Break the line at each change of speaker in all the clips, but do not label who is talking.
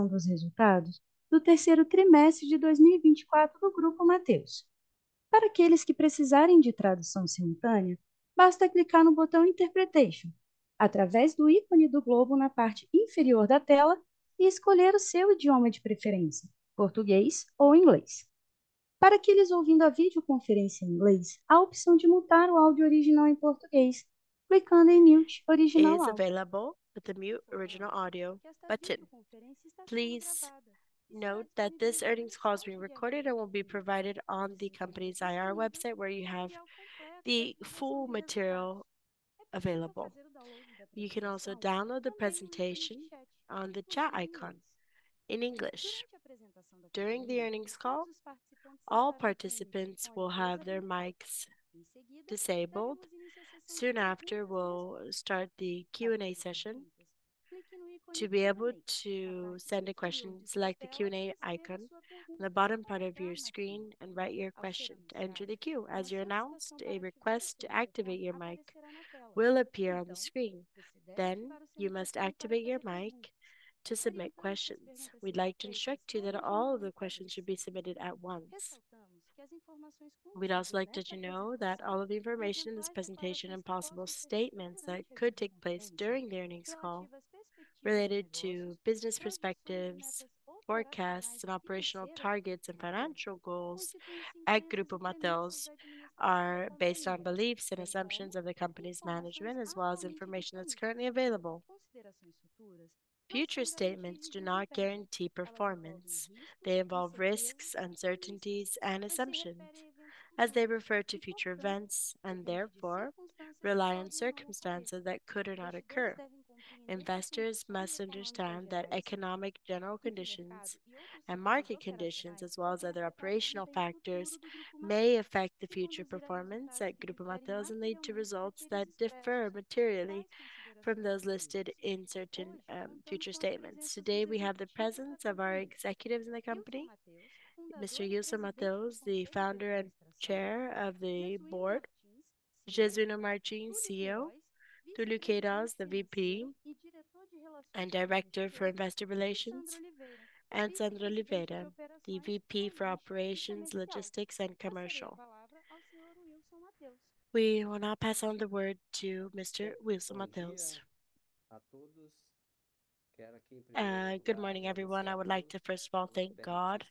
Novos resultados do terceiro trimestre de 2024 do Grupo Mateus. Para aqueles que precisarem de tradução simultânea, basta clicar no botão "Interpretation" através do ícone do globo na parte inferior da tela e escolher o seu idioma de preferência: português ou inglês. Para aqueles ouvindo a videoconferência em inglês, há a opção de mutar o áudio original em português, clicando em "Mute Original Audio". is available with the "Mute Original Audio" button. Please note that this earnings call is being recorded and will be provided on the company's IR website, where you have the full material available. You can also download the presentation on the chat icon in English. During the earnings call, all participants will have their mics disabled. Soon after, we'll start the Q&A session. To be able to send a question, select the Q&A icon in the bottom part of your screen and write your question to enter the queue. As you're announced, a request to activate your mic will appear on the screen. Then, you must activate your mic to submit questions. We'd like to instruct you that all of the questions should be submitted at once. We'd also like to let you know that all of the information in this presentation and possible statements that could take place during the earnings call, related to business perspectives, forecasts, and operational targets and financial goals at Grupo Mateus, are based on beliefs and assumptions of the company's management, as well as information that's currently available. Future statements do not guarantee performance. They involve risks, uncertainties, and assumptions, as they refer to future events and, therefore, rely on circumstances that could or not occur. Investors must understand that economic general conditions and market conditions, as well as other operational factors, may affect the future performance at Grupo Mateus and lead to results that differ materially from those listed in certain future statements. Today, we have the presence of our executives in the company: Mr.
Ilson Mateus, the founder and chair of the board, Jesuíno Martins, CEO, Túlio Queiroz, the VP and Director for Investor Relations, and Sandro Oliveira, the VP for Operations, Logistics, and Commercial. We will now pass on the word to Mr. Ilson Mateus.
Good morning, everyone. I would like to, first of all, thank God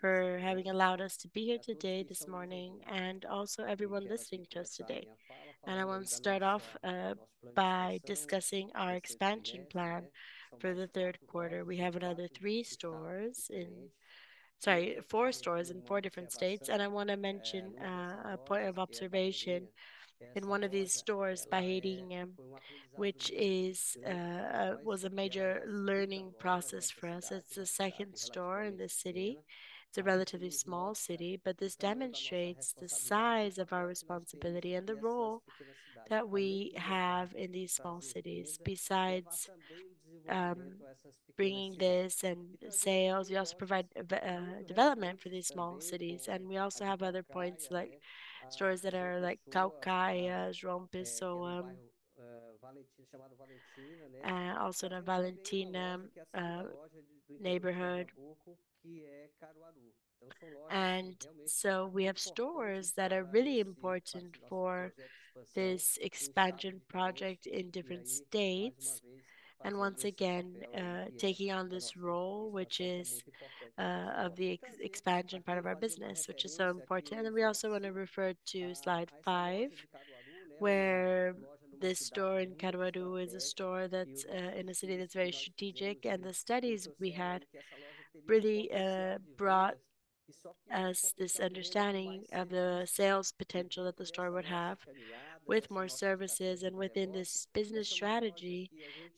for having allowed us to be here today, this morning, and also everyone listening to us today. I want to start off by discussing our expansion plan for the third quarter. We have another three stores in, sorry, four stores in four different states. I want to mention a point of observation in one of these stores, Barreirinhas, which was a major learning process for us. It's the second store in the city. It's a relatively small city, but this demonstrates the size of our responsibility and the role that we have in these small cities. Besides bringing this and sales, we also provide development for these small cities. We also have other points, like stores that are like Caucaia, João Pessoa, also in the Valentina neighborhood. We have stores that are really important for this expansion project in different states, and once again, taking on this role, which is of the expansion part of our business, which is so important. We also want to refer to slide five, where this store in Caruaru is a store that's in a city that's very strategic. The studies we had really brought us this understanding of the sales potential that the store would have with more services. Within this business strategy,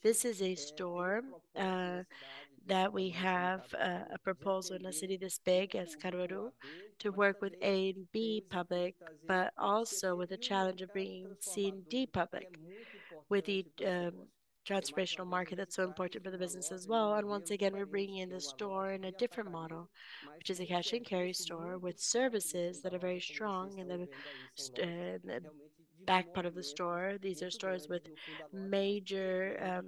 this is a store that we have a proposal in a city this big as Caruaru to work with A and B public, but also with the challenge of being C and D public, with the transformational market that's so important for the business as well. Once again, we're bringing in the store in a different model, which is a cash and carry store with services that are very strong in the back part of the store. These are stores with major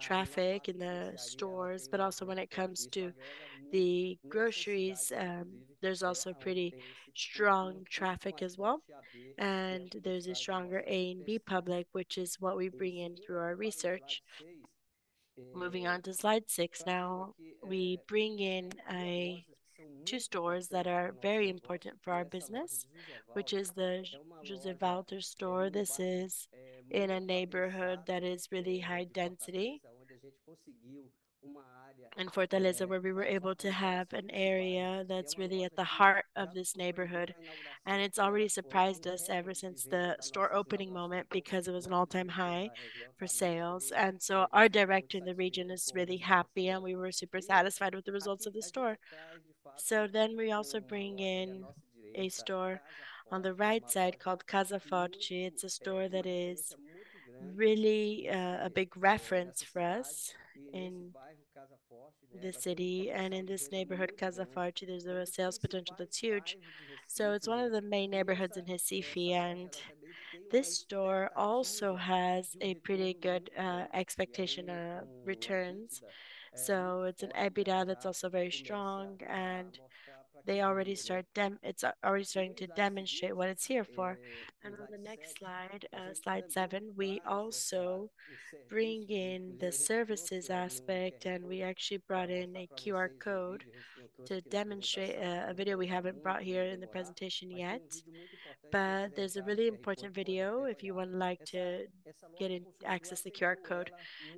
traffic in the stores, but also when it comes to the groceries, there's also pretty strong traffic as well. There's a stronger A and B public, which is what we bring in through our research. Moving on to slide six now, we bring in two stores that are very important for our business, which is the José Walter store. This is in a neighborhood that is really high density in Fortaleza, where we were able to have an area that's really at the heart of this neighborhood. It's already surprised us ever since the store opening moment because it was an all-time high for sales. Our director in the region is really happy, and we were super satisfied with the results of the store. So then we also bring in a store on the right side called Casa Forte. It's a store that is really a big reference for us in the city. And in this neighborhood, Casa Forte, there's a sales potential that's huge. So it's one of the main neighborhoods in Recife. And this store also has a pretty good expectation of returns. So it's an EBITDA that's also very strong, and they already start. It's already starting to demonstrate what it's here for. On the next slide, slide seven, we also bring in the services aspect, and we actually brought in a QR code to demonstrate a video we haven't brought here in the presentation yet, but there's a really important video if you would like to get access to the QR code.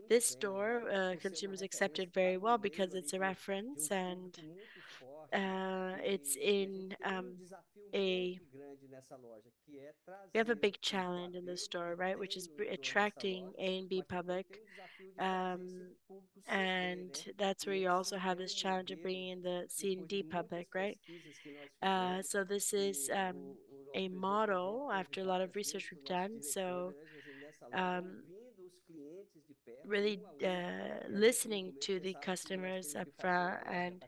This store consumers accepted very well because it's a reference, and it's in a, we have a big challenge in this store, right, which is attracting A and B public. That's where you also have this challenge of bringing in the C and D public, right? This is a model after a lot of research we've done. Really listening to the customers upfront.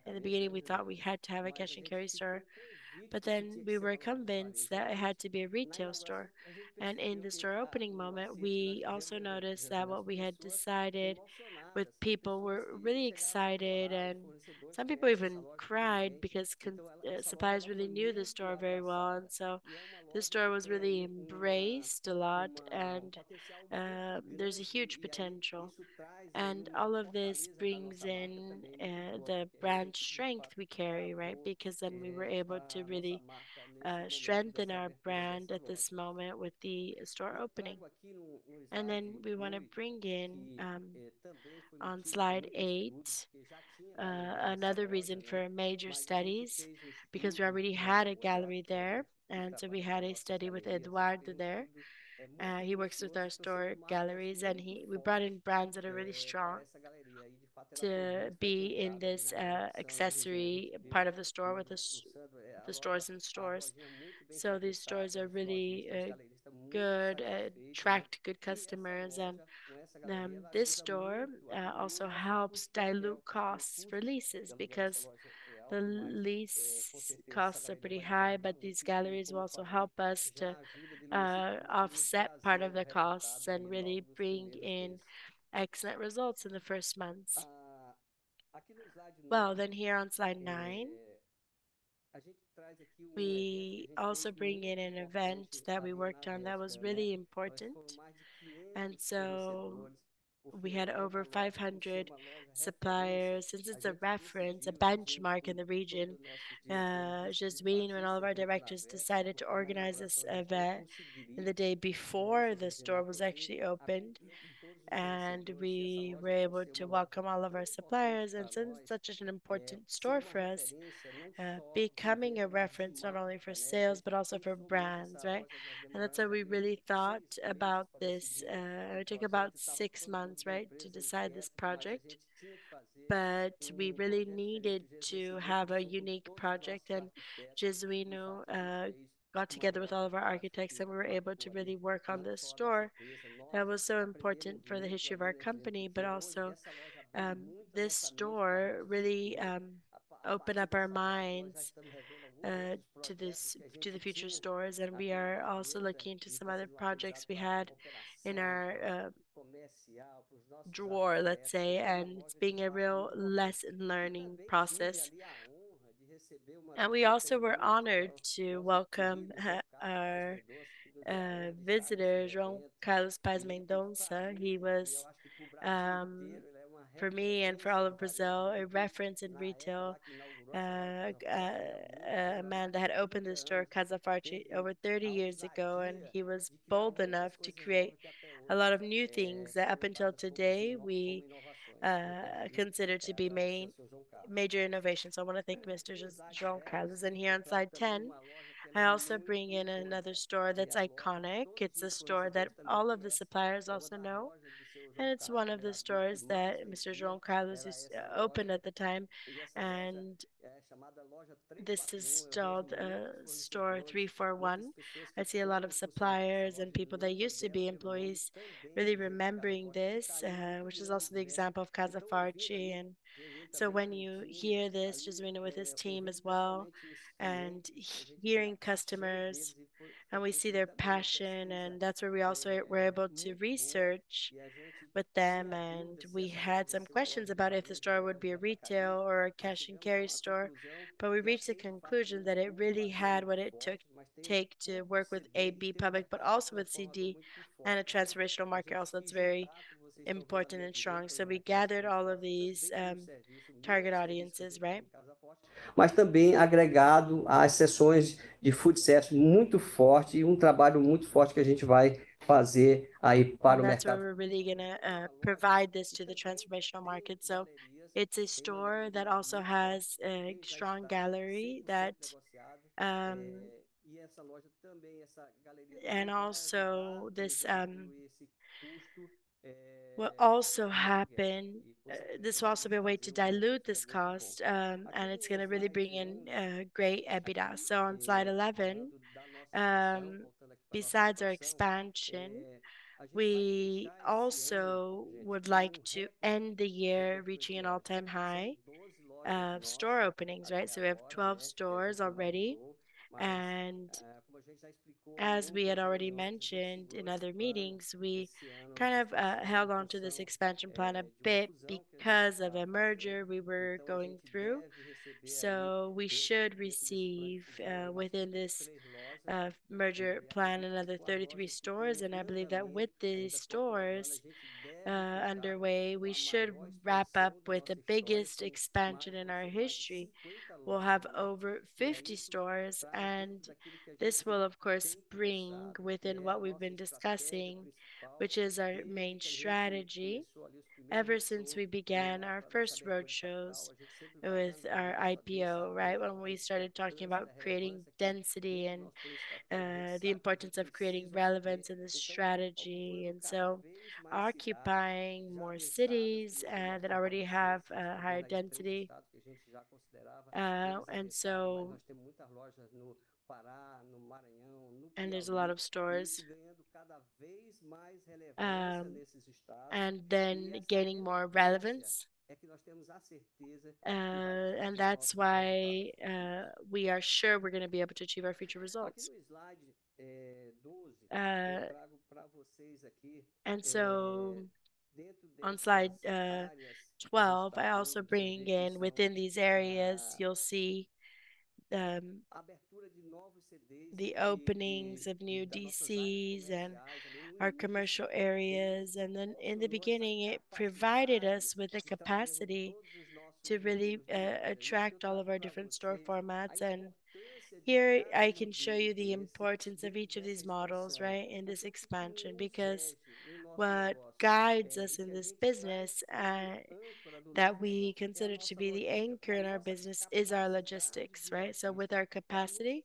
In the beginning, we thought we had to have a cash and carry store, but then we were convinced that it had to be a retail store. And in the store opening moment, we also noticed that what we had decided with people were really excited, and some people even cried because suppliers really knew the store very well. And so this store was really embraced a lot, and there's a huge potential. And all of this brings in the brand strength we carry, right? Because then we were able to really strengthen our brand at this moment with the store opening. And then we want to bring in, on slide eight, another reason for major studies because we already had a gallery there. And so we had a study with Eduardo there. He works with our store galleries, and we brought in brands that are really strong to be in this accessory part of the store with the stores. So these stores are really good, attract good customers. This store also helps dilute costs for leases because the lease costs are pretty high, but these galleries will also help us to offset part of the costs and really bring in excellent results in the first months. Here on slide nine, we also bring in an event that we worked on that was really important. We had over 500 suppliers. Since it's a reference, a benchmark in the region, Jesuíno and all of our directors decided to organize this event the day before the store was actually opened. We were able to welcome all of our suppliers. Since it's such an important store for us, becoming a reference not only for sales, but also for brands, right? That's why we really thought about this. It took about six months, right, to decide this project, but we really needed to have a unique project, and Jesuíno got together with all of our architects, and we were able to really work on this store that was so important for the history of our company, but also this store really opened up our minds to the future stores, and we are also looking to some other projects we had in our drawer, let's say, and it's being a real lesson learning process. We also were honored to welcome our visitor, João Carlos Paes Mendonça. He was, for me and for all of Brazil, a reference in retail, a man that had opened the store Casa Forte over 30 years ago, and he was bold enough to create a lot of new things that up until today we consider to be major innovations. I want to thank Mr. João Carlos. And here on slide 10, I also bring in another store that's iconic. It's a store that all of the suppliers also know, and it's one of the stores that Mr. João Carlos opened at the time. And this is called Store 341. I see a lot of suppliers and people that used to be employees really remembering this, which is also the example of Casa Forte. And so when you hear this, Jesuíno with his team as well, and hearing customers, and we see their passion, and that's where we also were able to research with them. And we had some questions about if the store would be a retail or a cash and carry store, but we reached the conclusion that it really had what it took to work with A and B public, but also with C and D and a transformational market also that's very important and strong. So we gathered all of these target audiences, right? Mas também agregado às sessões de food service muito forte e trabalho muito forte que a gente vai fazer aí para o mercado. And so we're really going to provide this to the transformational market. So it's a store that also has a strong gallery that. And also this will also happen. This will also be a way to dilute this cost, and it's going to really bring in great EBITDA. So on slide 11, besides our expansion, we also would like to end the year reaching an all-time high of store openings, right? So we have 12 stores already. And as we had already mentioned in other meetings, we kind of held on to this expansion plan a bit because of a merger we were going through. So we should receive within this merger plan another 33 stores. And I believe that with these stores underway, we should wrap up with the biggest expansion in our history. We'll have over 50 stores, and this will, of course, bring within what we've been discussing, which is our main strategy ever since we began our first roadshows with our IPO, right? When we started talking about creating density and the importance of creating relevance in this strategy and so occupying more cities that already have a higher density. And so there's a lot of stores and that's why we are sure we're going to be able to achieve our future results. And so on slide 12, I also bring in within these areas. You'll see the openings of new DCs and our commercial areas. And then in the beginning, it provided us with the capacity to really attract all of our different store formats. Here I can show you the importance of each of these models, right, in this expansion because what guides us in this business that we consider to be the anchor in our business is our logistics, right? With our capacity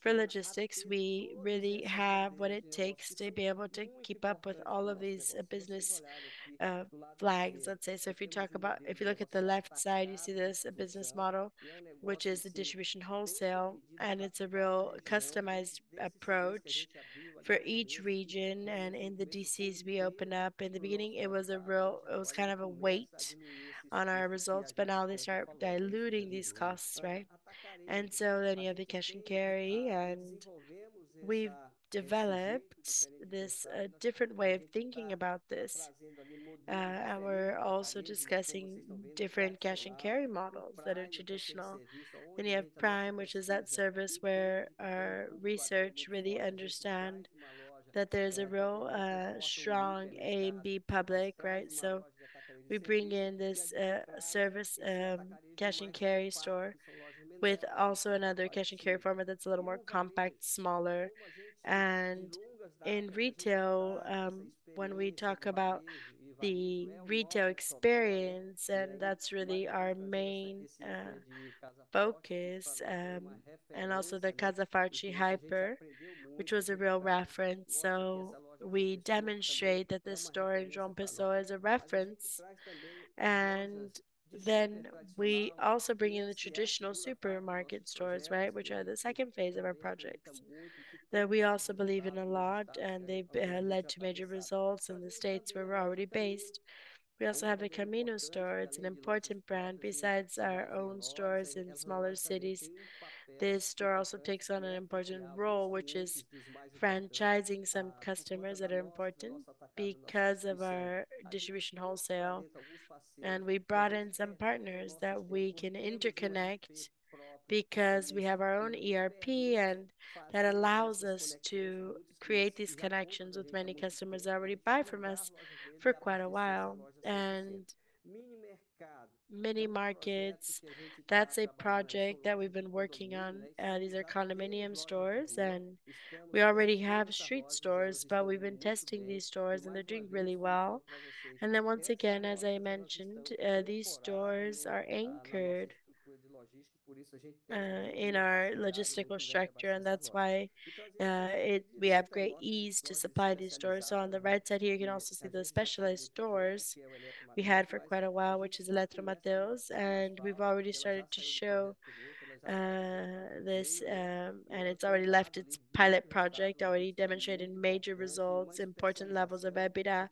for logistics, we really have what it takes to be able to keep up with all of these business flags, let's say. If you talk about, if you look at the left side, you see this business model, which is the distribution wholesale, and it's a real customized approach for each region. In the DCs we open up, in the beginning, it was kind of a weight on our results, but now they start diluting these costs, right? You have the cash and carry, and we've developed this different way of thinking about this. And we're also discussing different cash and carry models that are traditional. And you have Prime, which is that service where our research really understands that there's a real strong A and B public, right? So we bring in this service cash and carry store with also another cash and carry format that's a little more compact, smaller. And in retail, when we talk about the retail experience, and that's really our main focus, and also the Casa Forte Hiper, which was a real reference. So we demonstrate that this store in João Pessoa is a reference. And then we also bring in the traditional supermarket stores, right, which are the second phase of our projects that we also believe in a lot, and they've led to major results in the states where we're already based. We also have the Camiño store. It's an important brand. Besides our own stores in smaller cities, this store also takes on an important role, which is franchising some customers that are important because of our distribution wholesale. We brought in some partners that we can interconnect because we have our own ERP, and that allows us to create these connections with many customers that already buy from us for quite a while. Mini markets, that's a project that we've been working on. These are condominium stores, and we already have street stores, but we've been testing these stores, and they're doing really well. Then once again, as I mentioned, these stores are anchored in our logistical structure, and that's why we have great ease to supply these stores. On the right side here, you can also see the specialized stores we had for quite a while, which is Eletro Mateus. And we've already started to show this, and it's already left its pilot project, already demonstrated major results, important levels of EBITDA.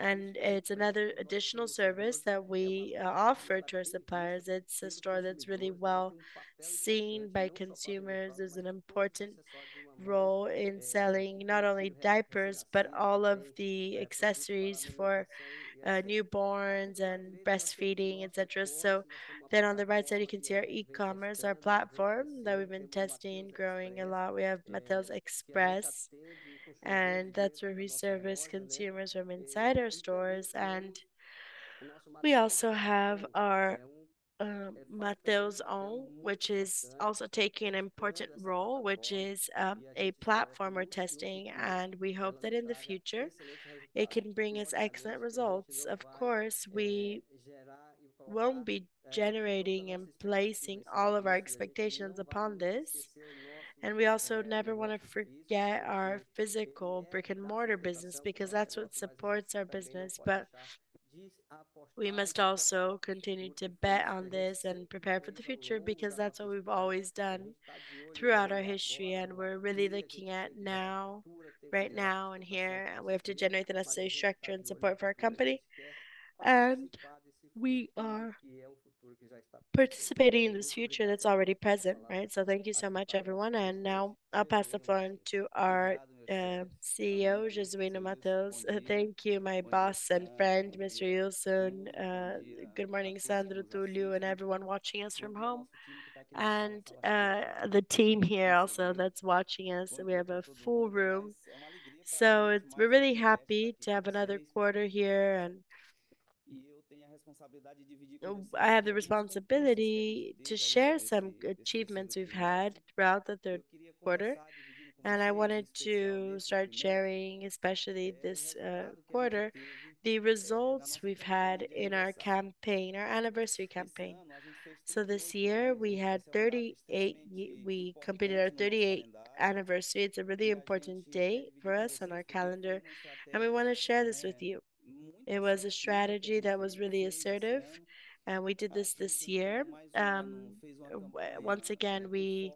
And it's another additional service that we offer to our suppliers. It's a store that's really well seen by consumers. There's an important role in selling not only diapers, but all of the accessories for newborns and breastfeeding, etc. So then on the right side, you can see our e-commerce, our platform that we've been testing, growing a lot. We have Mateus Express, and that's where we service consumers from inside our stores. And we also have our Mateus ON, which is also taking an important role, which is a platform we're testing, and we hope that in the future, it can bring us excellent results. Of course, we won't be generating and placing all of our expectations upon this. We also never want to forget our physical brick-and-mortar business because that's what supports our business. But we must also continue to bet on this and prepare for the future because that's what we've always done throughout our history. And we're really looking at now, right now, and here, and we have to generate the necessary structure and support for our company. And we are participating in this future that's already present, right? So thank you so much, everyone. And now I'll pass the phone to our CEO, Jesuíno Martins.
Thank you, my boss and friend, Mr. Ilson. Good morning, Sandro, Túlio, and everyone watching us from home. And the team here also that's watching us. We have a full room. So we're really happy to have another quarter here. And I have the responsibility to share some achievements we've had throughout the third quarter. And I wanted to start sharing, especially this quarter, the results we've had in our campaign, our anniversary campaign. So this year, we had 38; we completed our 38th anniversary. It's a really important day for us on our calendar, and we want to share this with you. It was a strategy that was really assertive, and we did this this year. Once again, we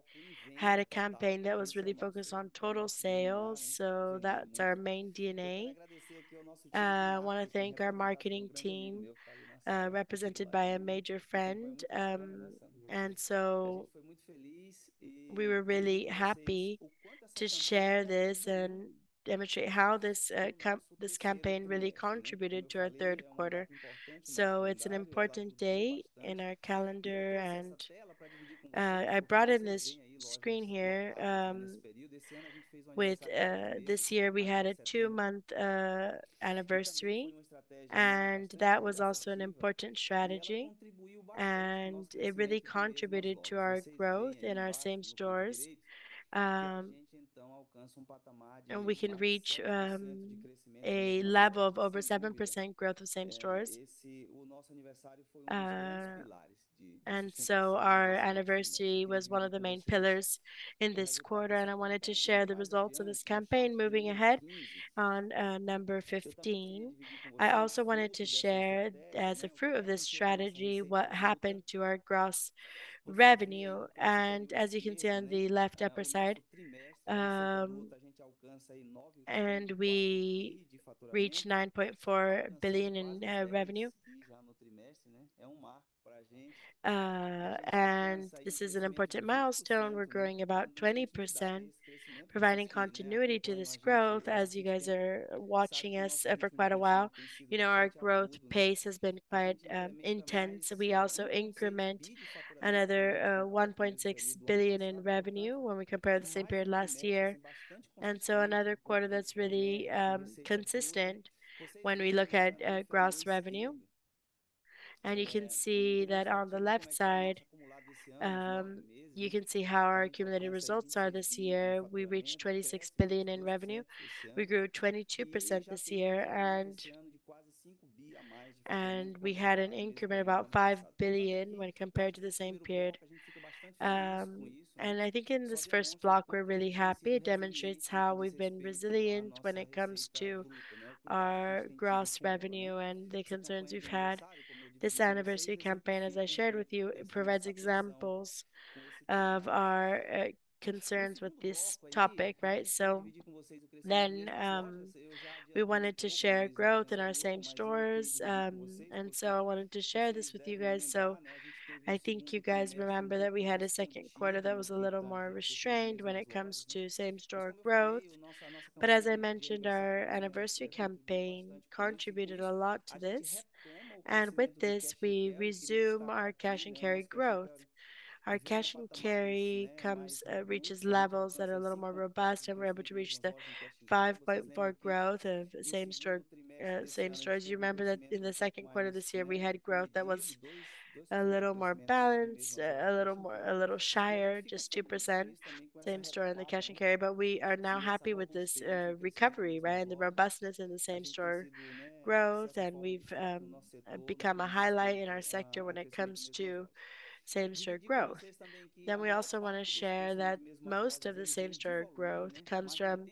had a campaign that was really focused on total sales. So that's our main DNA. I want to thank our marketing team, represented by a major friend. And so we were really happy to share this and demonstrate how this campaign really contributed to our third quarter. So it's an important day in our calendar, and I brought in this screen here. This year, we had a two-month anniversary, and that was also an important strategy. And it really contributed to our growth in our same stores. And we can reach a level of over 7% growth of same stores. And so our anniversary was one of the main pillars in this quarter. And I wanted to share the results of this campaign moving ahead on number 15. I also wanted to share, as a fruit of this strategy, what happened to our gross revenue. And as you can see on the left upper side, and we reached 9.4 billion in revenue. And this is an important milestone. We're growing about 20%, providing continuity to this growth. As you guys are watching us for quite a while, you know our growth pace has been quite intense. We also increment another 1.6 billion in revenue when we compare the same period last year. And so another quarter that's really consistent when we look at gross revenue. You can see that on the left side, you can see how our accumulated results are this year. We reached 26 billion in revenue. We grew 22% this year, and we had an increment of about 5 billion when compared to the same period. I think in this first block, we're really happy. It demonstrates how we've been resilient when it comes to our gross revenue and the concerns we've had. This anniversary campaign, as I shared with you, provides examples of our concerns with this topic, right? We wanted to share growth in our same stores. I wanted to share this with you guys. I think you guys remember that we had a second quarter that was a little more restrained when it comes to same-store growth. As I mentioned, our anniversary campaign contributed a lot to this. With this, we resume our cash and carry growth. Our cash and carry reaches levels that are a little more robust, and we're able to reach the 5.4% growth of same-store. You remember that in the second quarter of this year, we had growth that was a little more balanced, a little shier, just 2% same-store in the cash and carry. We are now happy with this recovery, right, and the robustness in the same-store growth. We've become a highlight in our sector when it comes to same-store growth. We also want to share that most of the same-store growth comes from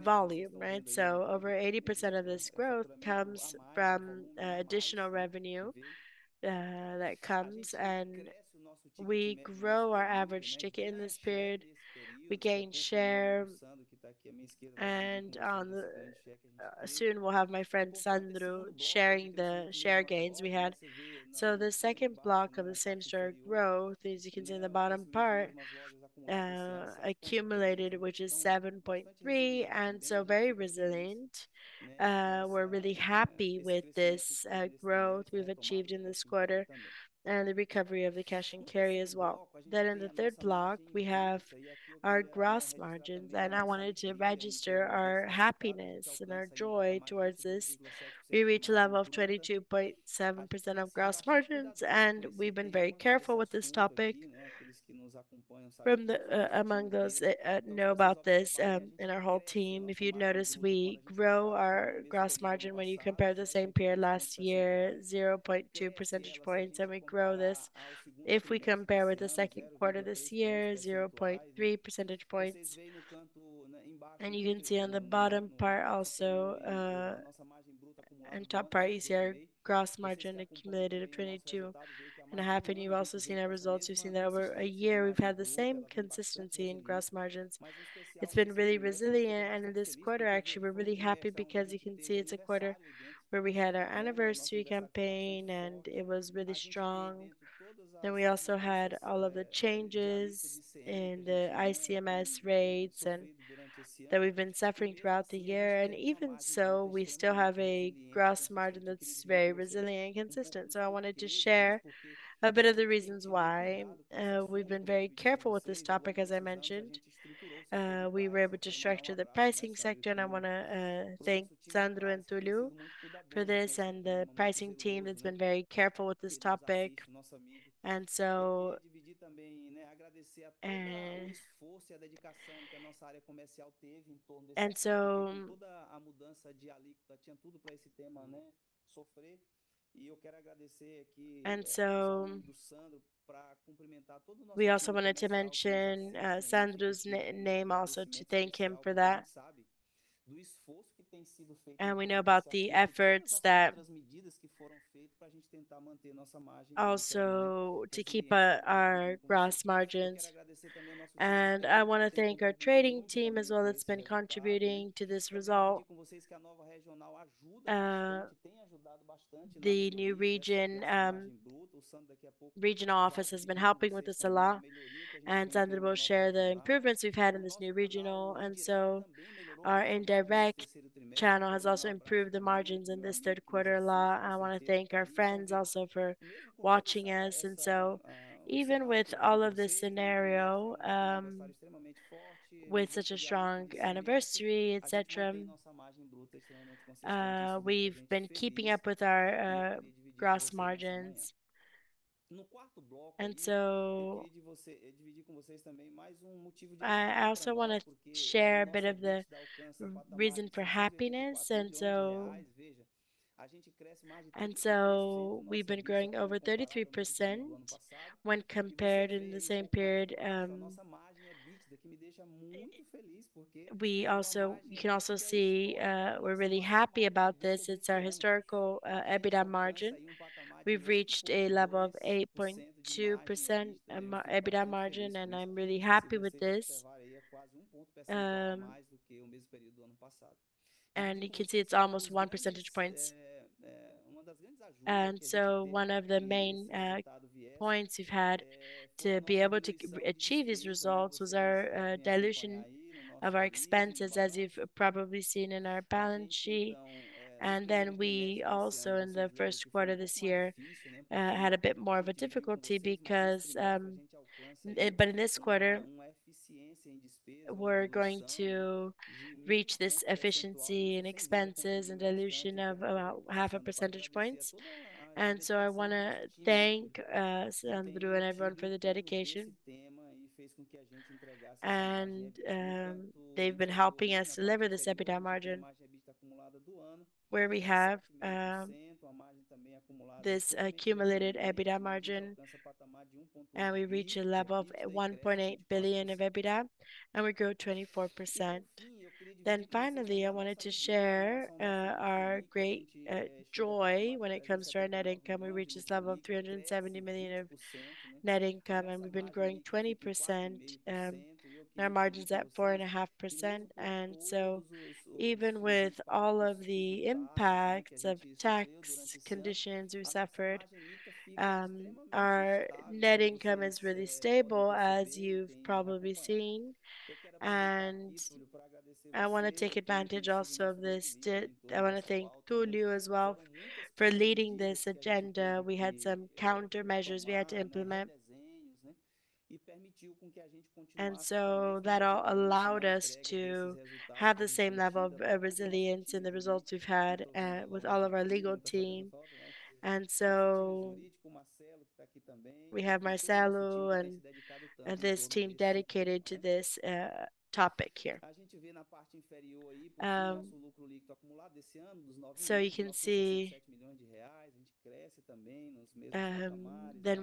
volume, right? So over 80% of this growth comes from additional revenue that comes. We grow our average ticket in this period. We gain share. Soon we'll have my friend Sandro sharing the share gains we had. So the second block of the same-store growth, as you can see in the bottom part, accumulated, which is 7.3. And so very resilient. We're really happy with this growth we've achieved in this quarter and the recovery of the cash and carry as well. Then in the third block, we have our gross margins. And I wanted to register our happiness and our joy towards this. We reached a level of 22.7% of gross margins, and we've been very careful with this topic. Among those who know about this in our whole team, if you notice, we grow our gross margin when you compare the same period last year, 0.2 percentage points. And we grow this if we compare with the second quarter this year, 0.3 percentage points. And you can see on the bottom part also, and top part, you see our gross margin accumulated of 22.5. You've also seen our results. You've seen that over a year, we've had the same consistency in gross margins. It's been really resilient. In this quarter, actually, we're really happy because you can see it's a quarter where we had our anniversary campaign, and it was really strong. We also had all of the changes in the ICMS rates that we've been suffering throughout the year. Even so, we still have a gross margin that's very resilient and consistent. I wanted to share a bit of the reasons why we've been very careful with this topic, as I mentioned. We were able to structure the pricing sector, and I want to thank Sandro and Túlio for this and the pricing team that's been very careful with this topic. We know about the efforts that also to keep our gross margins. I want to thank our trading team as well that's been contributing to this result. The new regional office has been helping with this a lot. Sandro will share the improvements we've had in this new regional. Our indirect channel has also improved the margins in this third quarter a lot. I want to thank our friends also for watching us. Even with all of this scenario, with such a strong anniversary, etc., we've been keeping up with our gross margins. I also want to share a bit of the reason for happiness. We've been growing over 33% when compared in the same period. We also can see we're really happy about this. It's our historical EBITDA margin. We've reached a level of 8.2% EBITDA margin, and I'm really happy with this. You can see it's almost one percentage point. One of the main points we've had to be able to achieve these results was our dilution of our expenses, as you've probably seen in our balance sheet. We also, in the first quarter this year, had a bit more of a difficulty because, but in this quarter, we're going to reach this efficiency in expenses and dilution of about half a percentage point. I want to thank Sandro and everyone for the dedication. They've been helping us deliver this EBITDA margin, where we have this accumulated EBITDA margin, and we reach a level of 1.8 billion of EBITDA, and we grow 24%. Finally, I wanted to share our great joy when it comes to our net income. We reached this level of 370 million of net income, and we've been growing 20%. Our margin's at 4.5%. Even with all of the impacts of tax conditions we suffered, our net income is really stable, as you've probably seen. I want to take advantage also of this. I want to thank Túlio as well for leading this agenda. We had some countermeasures we had to implement. That all allowed us to have the same level of resilience in the results we've had with all of our legal team. We have Marcelo and this team dedicated to this topic here. You can see BRL 7 milhões de reais, a gente cresce também nos mesmos patamares.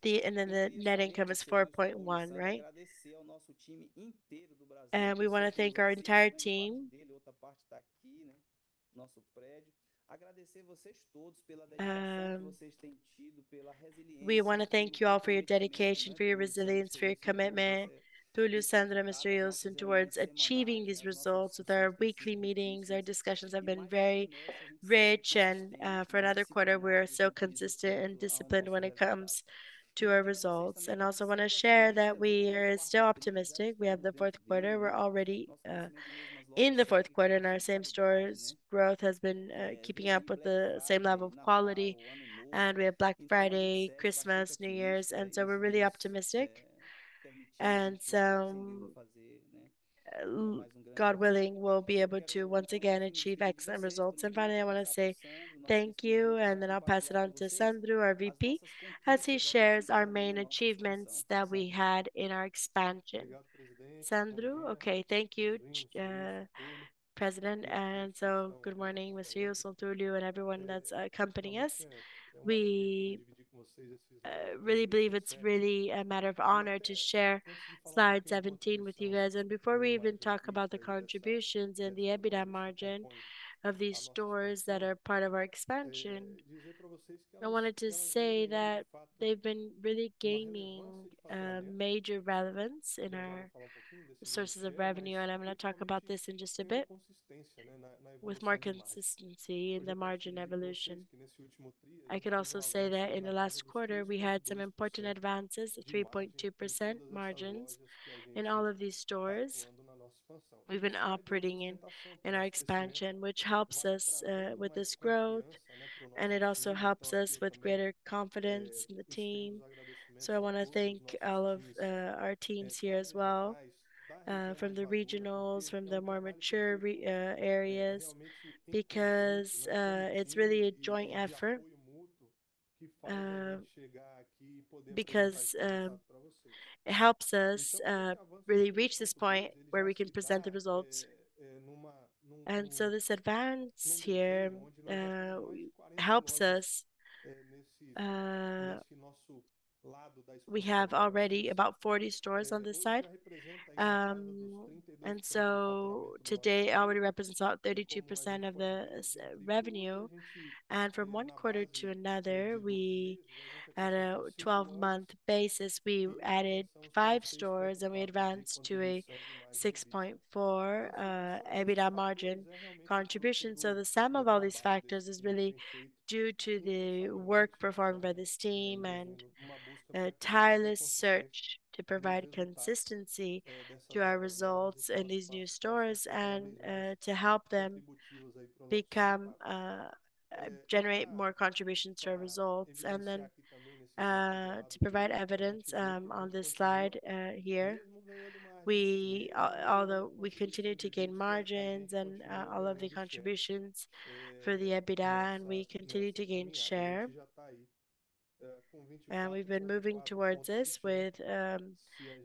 The net income is 4.1, right? We want to thank our entire team. We want to thank you all for your dedication, for your resilience, for your commitment, Túlio, Sandro, Mr. Ilson, towards achieving these results. With our weekly meetings, our discussions have been very rich, and for another quarter, we are so consistent and disciplined when it comes to our results, and I also want to share that we are still optimistic. We have the fourth quarter. We're already in the fourth quarter, and our same-stores growth has been keeping up with the same level of quality, and we have Black Friday, Christmas, New Year's, and so we're really optimistic, and so, God willing, we'll be able to once again achieve excellent results, and finally, I want to say thank you, and then I'll pass it on to Sandro, our VP, as he shares our main achievements that we had in our expansion. Sandro.
Okay, thank you, President, and so good morning, Mr. Ilson, Túlio, and everyone that's accompanying us. We really believe it's really a matter of honor to share slide 17 with you guys. And before we even talk about the contributions and the EBITDA margin of these stores that are part of our expansion, I wanted to say that they've been really gaining major relevance in our sources of revenue. And I'm going to talk about this in just a bit with more consistency in the margin evolution. I can also say that in the last quarter, we had some important advances, 3.2% margins in all of these stores we've been operating in our expansion, which helps us with this growth. And it also helps us with greater confidence in the team. I want to thank all of our teams here as well, from the regionals, from the more mature areas, because it's really a joint effort, because it helps us really reach this point where we can present the results. This advance here helps us. We have already about 40 stores on this side. Today, it already represents about 32% of the revenue. From one quarter to another, at a 12-month basis, we added five stores, and we advanced to a 6.4 EBITDA margin contribution. The sum of all these factors is really due to the work performed by this team and tireless search to provide consistency to our results in these new stores and to help them generate more contributions to our results. And then to provide evidence on this slide here, although we continue to gain margins and all of the contributions for the EBITDA, and we continue to gain share. We've been moving towards this with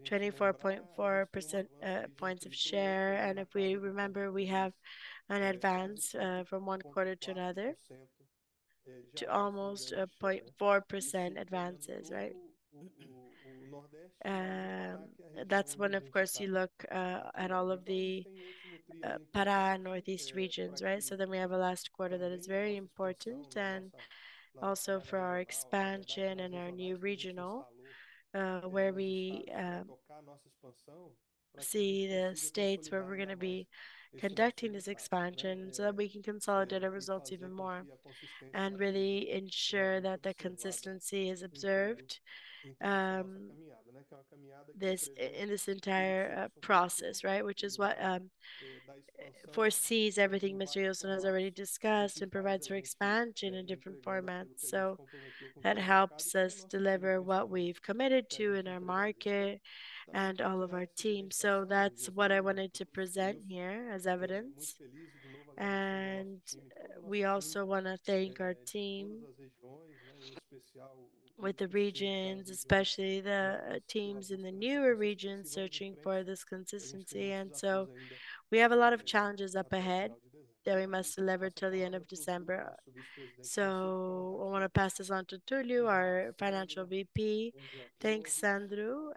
24.4 points of share. If we remember, we have an advance from one quarter to another to almost 0.4% advances, right? That's when, of course, you look at all of the Pará-Northeast regions, right? We have a last quarter that is very important and also for our expansion and our new regional, where we see the states where we're going to be conducting this expansion so that we can consolidate our results even more and really ensure that the consistency is observed in this entire process, right, which is what foresees everything Mr. Ilson has already discussed and provides for expansion in different formats. So that helps us deliver what we've committed to in our market and all of our team. So that's what I wanted to present here as evidence. And we also want to thank our team with the regions, especially the teams in the newer regions searching for this consistency. And so we have a lot of challenges up ahead that we must deliver till the end of December. So I want to pass this on to Túlio, our financial VP.
Thanks, Sandro.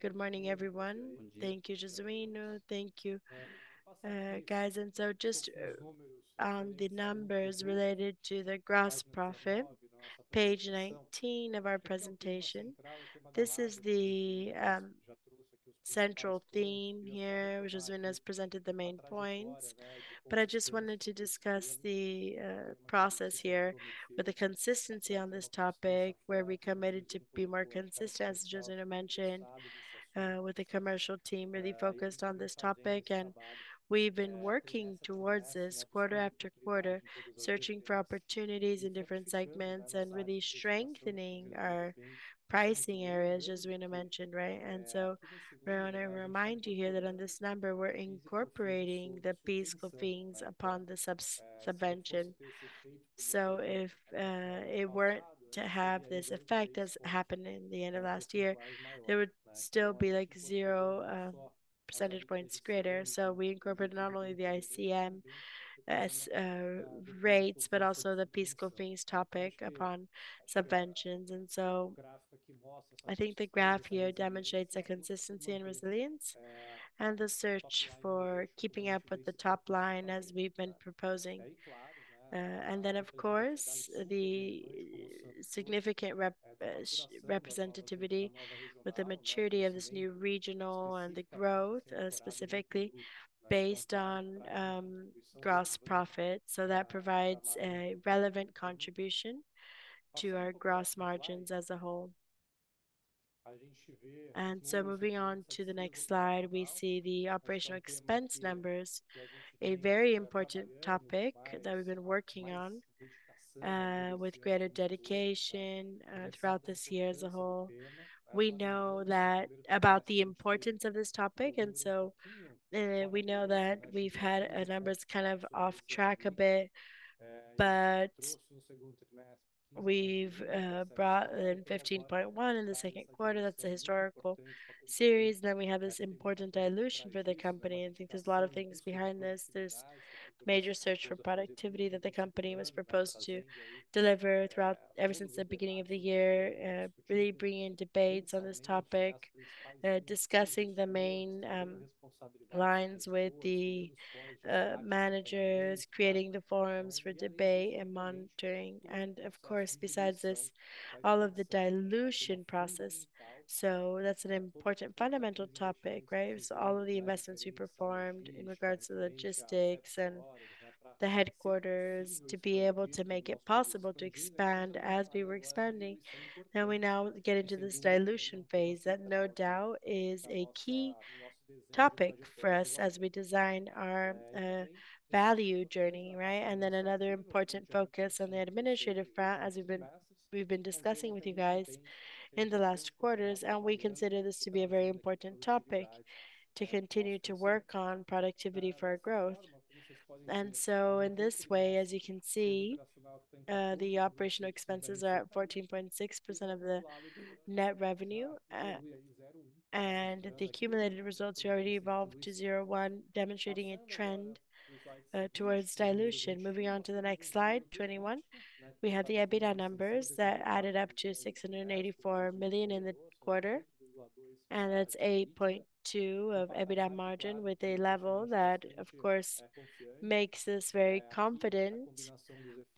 Good morning, everyone. Thank you, Jesuíno. Thank you, guys. And so just on the numbers related to the gross profit, page 19 of our presentation, this is the central theme here, which has been as presented the main points. I just wanted to discuss the process here with the consistency on this topic, where we committed to be more consistent, as Jesuíno mentioned, with the commercial team really focused on this topic. We've been working towards this quarter after quarter, searching for opportunities in different segments and really strengthening our pricing areas, Jesuíno mentioned, right? We want to remind you here that on this number, we're incorporating the PIS/COFINS upon the subvention. If it weren't to have this effect as happened in the end of last year, there would still be like 0 percentage points greater. We incorporate not only the ICMS rates, but also the PIS/COFINS topic upon subventions. I think the graph here demonstrates the consistency and resilience and the search for keeping up with the top line as we've been proposing. Then, of course, the significant representativity with the maturity of this new regional and the growth specifically based on gross profit. So that provides a relevant contribution to our gross margins as a whole. And so moving on to the next slide, we see the operational expense numbers, a very important topic that we've been working on with greater dedication throughout this year as a whole. We know about the importance of this topic. And so we know that we've had numbers kind of off track a bit, but we've brought in 15.1 in the second quarter. That's the historical series. Then we have this important dilution for the company. I think there's a lot of things behind this. There's major search for productivity that the company was proposed to deliver throughout ever since the beginning of the year, really bringing in debates on this topic, discussing the main lines with the managers, creating the forums for debate and monitoring. And of course, besides this, all of the dilution process. So that's an important fundamental topic, right? So all of the investments we performed in regards to logistics and the headquarters to be able to make it possible to expand as we were expanding. And we now get into this dilution phase that no doubt is a key topic for us as we design our value journey, right? And then another important focus on the administrative front, as we've been discussing with you guys in the last quarters. And we consider this to be a very important topic to continue to work on productivity for our growth. And so in this way, as you can see, the operational expenses are at 14.6% of the net revenue. And the accumulated results have already evolved to 0.1%, demonstrating a trend towards dilution. Moving on to the next slide, 21, we have the EBITDA numbers that added up to 684 million in the quarter. And that's 8.2% EBITDA margin with a level that, of course, makes us very confident.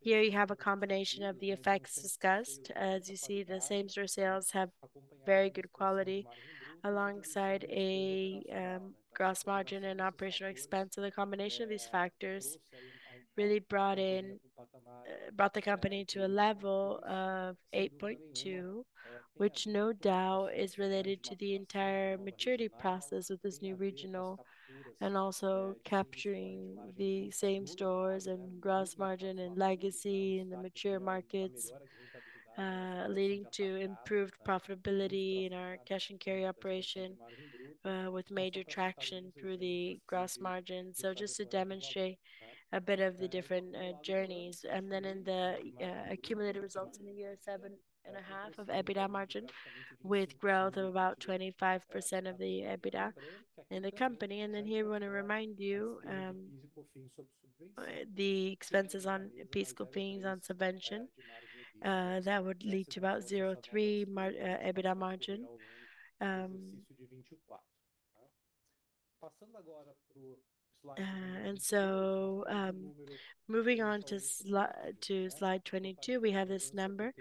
Here you have a combination of the effects discussed. As you see, the same-store sales have very good quality alongside a gross margin and operational expense. The combination of these factors really brought the company to a level of 8.2%, which no doubt is related to the entire maturity process with this new regional and also capturing the same stores and gross margin and legacy in the mature markets, leading to improved profitability in our cash and carry operation with major traction through the gross margin. So just to demonstrate a bit of the different journeys. And then in the accumulated results in the year, 7.5% EBITDA margin with growth of about 25% of the EBITDA in the company. And then here we want to remind you the expenses on PIS/COFINS on subvention that would lead to about 0.3% EBITDA margin. And so moving on to slide 22, we have this number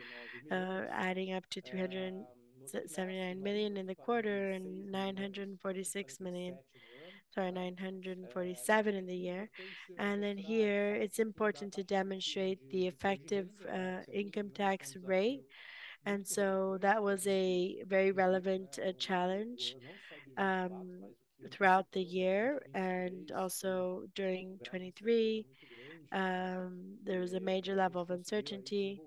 adding up to 379 million in the quarter and 946 million, sorry, 947 million in the year. And then here it's important to demonstrate the effective income tax rate. And so that was a very relevant challenge throughout the year. And also during 2023, there was a major level of uncertainty.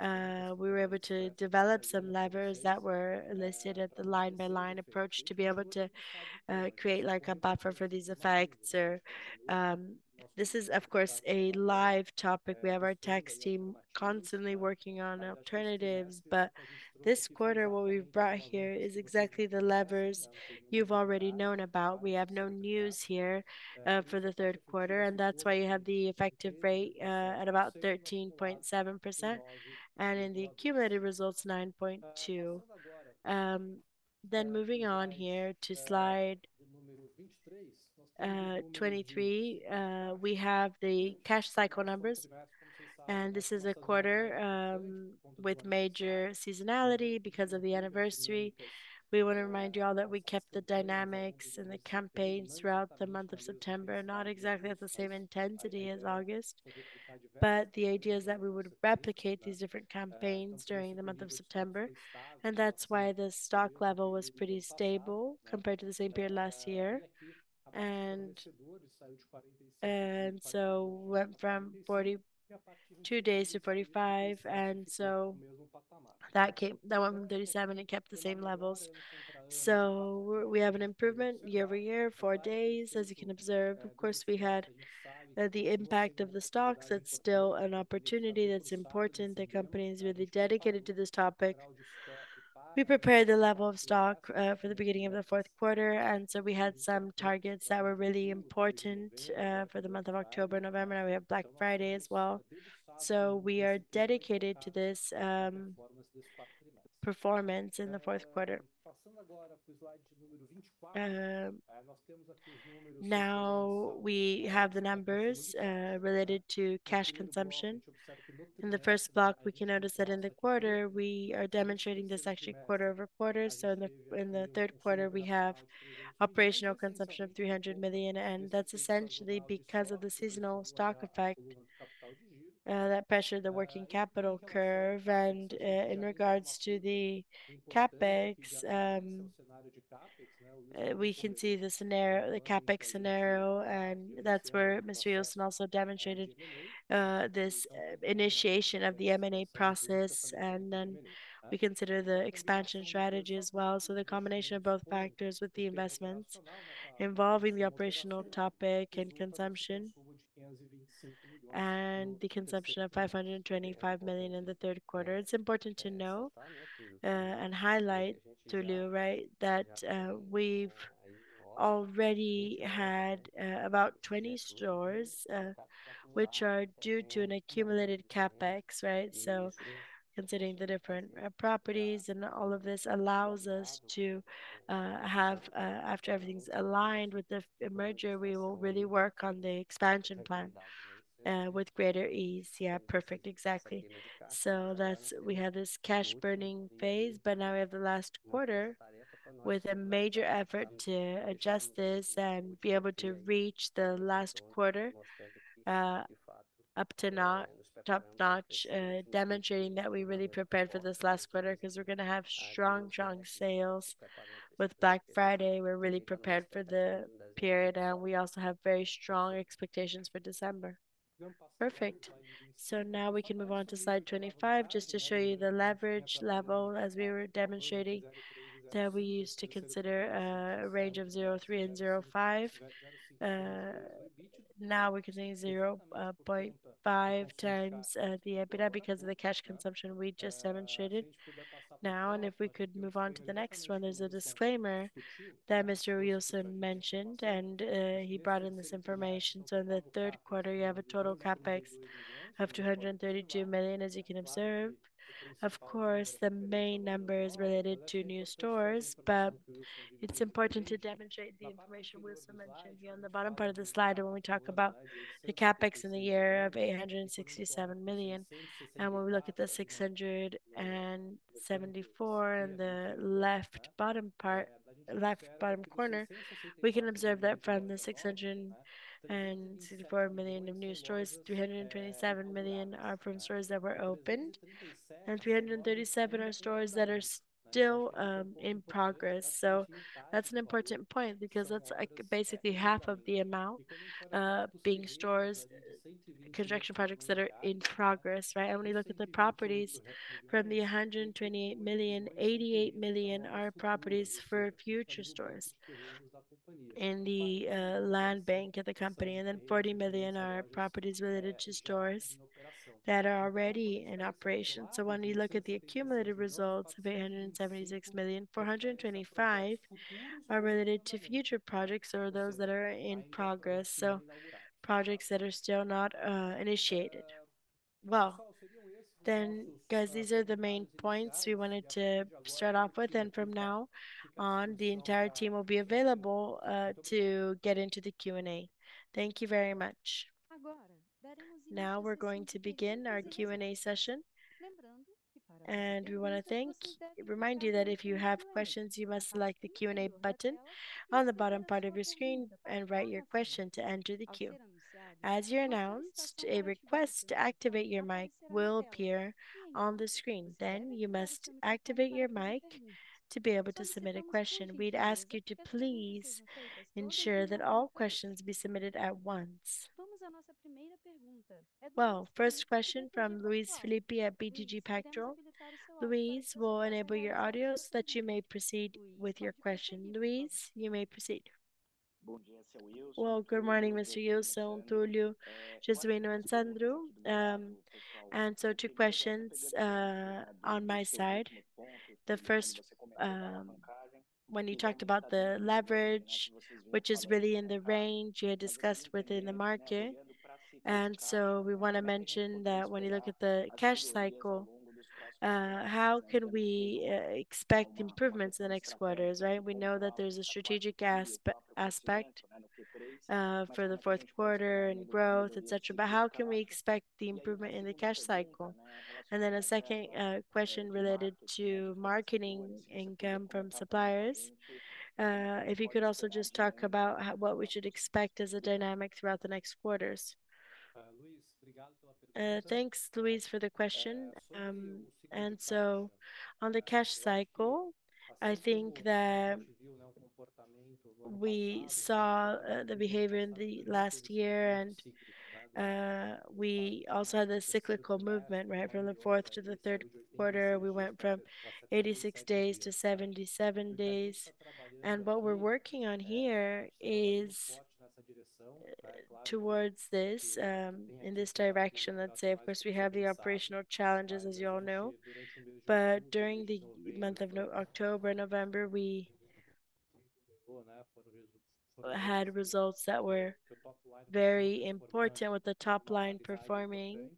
We were able to develop some levers that were listed at the line-by-line approach to be able to create like a buffer for these effects. This is, of course, a live topic. We have our tax team constantly working on alternatives. But this quarter, what we've brought here is exactly the levers you've already known about. We have no news here for the third quarter. And that's why you have the effective rate at about 13.7% and in the accumulated results, 9.2%. Then moving on here to slide 23, we have the cash cycle numbers. And this is a quarter with major seasonality because of the anniversary. We want to remind you all that we kept the dynamics and the campaigns throughout the month of September, not exactly at the same intensity as August. But the idea is that we would replicate these different campaigns during the month of September. And that's why the stock level was pretty stable compared to the same period last year. And so we went from 42 days to 45. And so that went from 37 and kept the same levels. So we have an improvement year over year, four days, as you can observe. Of course, we had the impact of the stocks. That's still an opportunity that's important. The company is really dedicated to this topic. We prepared the level of stock for the beginning of the fourth quarter. And so we had some targets that were really important for the month of October, November. Now we have Black Friday as well. So we are dedicated to this performance in the fourth quarter. Now we have the numbers related to cash consumption. In the first block, we can notice that in the quarter, we are demonstrating this actually quarter over quarter. So in the third quarter, we have operational consumption of 300 million. And that's essentially because of the seasonal stock effect, that pressure, the working capital curve. And in regards to the CapEx, we can see the CapEx scenario. And that's where Mr. Ilson also demonstrated this initiation of the M&A process. And then we consider the expansion strategy as well. So the combination of both factors with the investments involving the operational topic and consumption and the consumption of 525 million in the third quarter. It's important to know and highlight, Túlio, right, that we've already had about 20 stores, which are due to an accumulated CapEx, right? So, considering the different properties and all of this allows us to have, after everything's aligned with the merger, we will really work on the expansion plan with greater ease. Yeah, perfect, exactly, so we had this cash burning phase, but now we have the last quarter with a major effort to adjust this and be able to reach the last quarter up to top notch, demonstrating that we really prepared for this last quarter because we're going to have strong, strong sales with Black Friday. We're really prepared for the period, and we also have very strong expectations for December. Perfect. So now we can move on to slide 25, just to show you the leverage level as we were demonstrating that we used to consider a range of 0.3-0.5. Now we're getting 0.5 times the EBITDA because of the cash consumption we just demonstrated now, and if we could move on to the next one, there's a disclaimer that Mr. Ilson mentioned, and he brought in this information, so in the third quarter, you have a total CapEx of 232 million, as you can observe. Of course, the main number is related to new stores, but it's important to demonstrate the information Ilson mentioned here on the bottom part of the slide. When we talk about the CapEx in the year of 867 million, and when we look at the 674 in the left bottom part, left bottom corner, we can observe that from the 664 million of new stores, 327 million are from stores that were opened, and 337 million are stores that are still in progress. So that's an important point because that's basically half of the amount being stores, construction projects that are in progress, right? And when we look at the properties, from the 128 million, 88 million are properties for future stores in the land bank at the company. And then 40 million are properties related to stores that are already in operation. So when you look at the accumulated results of 876 million, 425 million are related to future projects or those that are in progress, so projects that are still not initiated. Then, guys, these are the main points we wanted to start off with. From now on, the entire team will be available to get into the Q&A. Thank you very much.
Now we're going to begin our Q&A session. We want to thank you, remind you that if you have questions, you must select the Q&A button on the bottom part of your screen and write your question to enter the queue. As you're announced, a request to activate your mic will appear on the screen. Then you must activate your mic to be able to submit a question. We'd ask you to please ensure that all questions be submitted at once. First question from Luiz Felipe at BTG Pactual. Luis, we'll enable your audio so that you may proceed with your question. Luis, you may proceed.
Good morning, Mr. Ilson, Túlio, Jesuíno, and Sandro. So two questions on my side. The first, when you talked about the leverage, which is really in the range you had discussed within the market. So we want to mention that when you look at the cash cycle, how can we expect improvements in the next quarters, right? We know that there's a strategic aspect for the fourth quarter and growth, etc. But how can we expect the improvement in the cash cycle? And then a second question related to marketing income from suppliers. If you could also just talk about what we should expect as a dynamic throughout the next quarters.
Thanks, Luis, for the question. So on the cash cycle, I think that we saw the behavior in the last year. And we also had the cyclical movement, right? From the fourth to the third quarter, we went from 86 days to 77 days. What we're working on here is towards this in this direction. Let's say, of course, we have the operational challenges, as you all know. During the month of October and November, we had results that were very important with the top line performing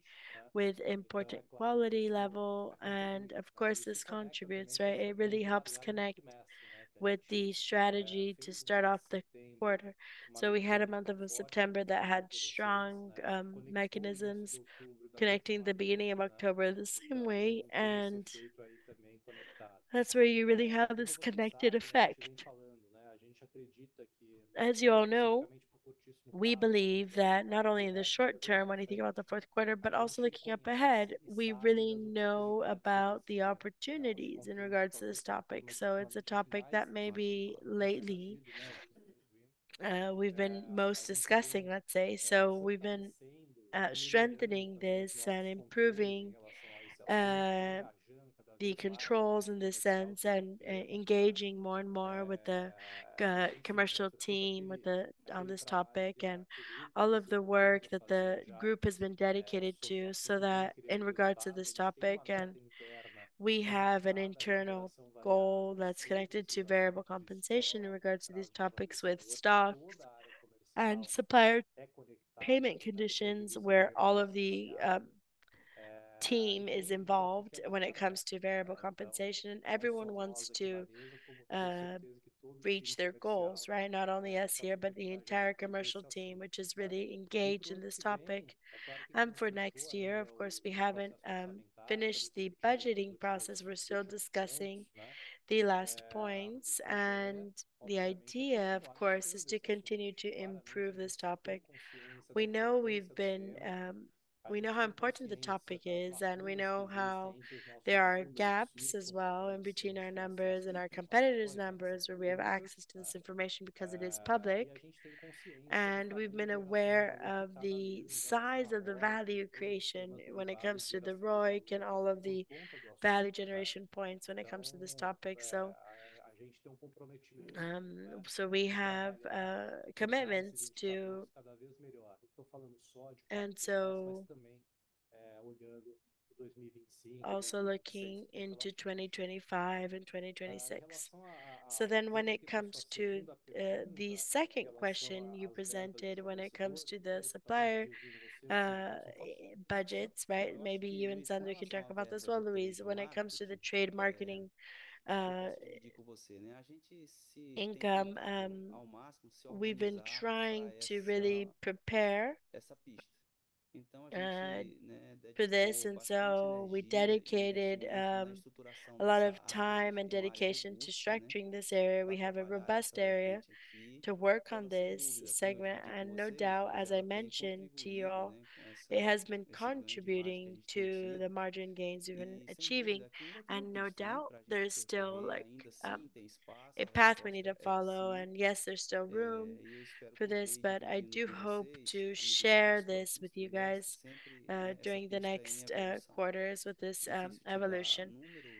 with important quality level. Of course, this contributes, right? It really helps connect with the strategy to start off the quarter. We had a month of September that had strong mechanisms connecting the beginning of October the same way. That's where you really have this connected effect. As you all know, we believe that not only in the short term, when you think about the fourth quarter, but also looking up ahead, we really know about the opportunities in regards to this topic. It's a topic that maybe lately we've been most discussing, let's say. So we've been strengthening this and improving the controls in this sense and engaging more and more with the commercial team on this topic and all of the work that the group has been dedicated to so that in regards to this topic, and we have an internal goal that's connected to variable compensation in regards to these topics with stocks and supplier payment conditions where all of the team is involved when it comes to variable compensation, and everyone wants to reach their goals, right? Not only us here, but the entire commercial team, which is really engaged in this topic, and for next year, of course, we haven't finished the budgeting process. We're still discussing the last points, and the idea, of course, is to continue to improve this topic. We know we've been. We know how important the topic is, and we know how there are gaps as well in between our numbers and our competitors' numbers where we have access to this information because it is public, and we've been aware of the size of the value creation when it comes to the ROIC and all of the value generation points when it comes to this topic, so we have commitments to also looking into 2025 and 2026, so then when it comes to the second question you presented when it comes to the supplier budgets, right? Maybe you and Sandro can talk about this as well, Luis, when it comes to the trade marketing income, we've been trying to really prepare for this, and so we dedicated a lot of time and dedication to structuring this area. We have a robust area to work on this segment. And no doubt, as I mentioned to you all, it has been contributing to the margin gains we've been achieving. And no doubt, there's still a path we need to follow. And yes, there's still room for this, but I do hope to share this with you guys during the next quarters with this evolution.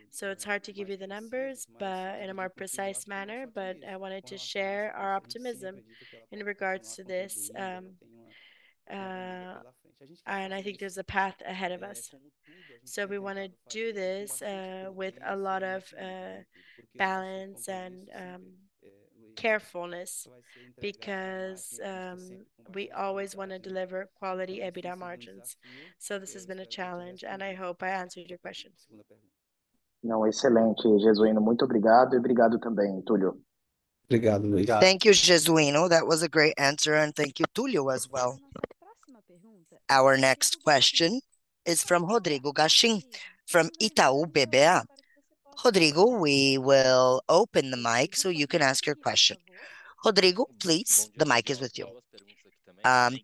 So it's hard to give you the numbers in a more precise manner, but I wanted to share our optimism in regards to this. And I think there's a path ahead of us. So we want to do this with a lot of balance and carefulness because we always want to deliver quality EBITDA margins. So this has been a challenge, and I hope I answered your question. Muito obrigado e obrigado também, Túlio. Obrigado, Luis.
Thank you, Jesuíno. That was a great answer, and thank you, Túlio, as well.
Our next question is from Rodrigo Caihim, from Itaú BBA. Rodrigo, we will open the mic so you can ask your question. Rodrigo, please, the mic is with you.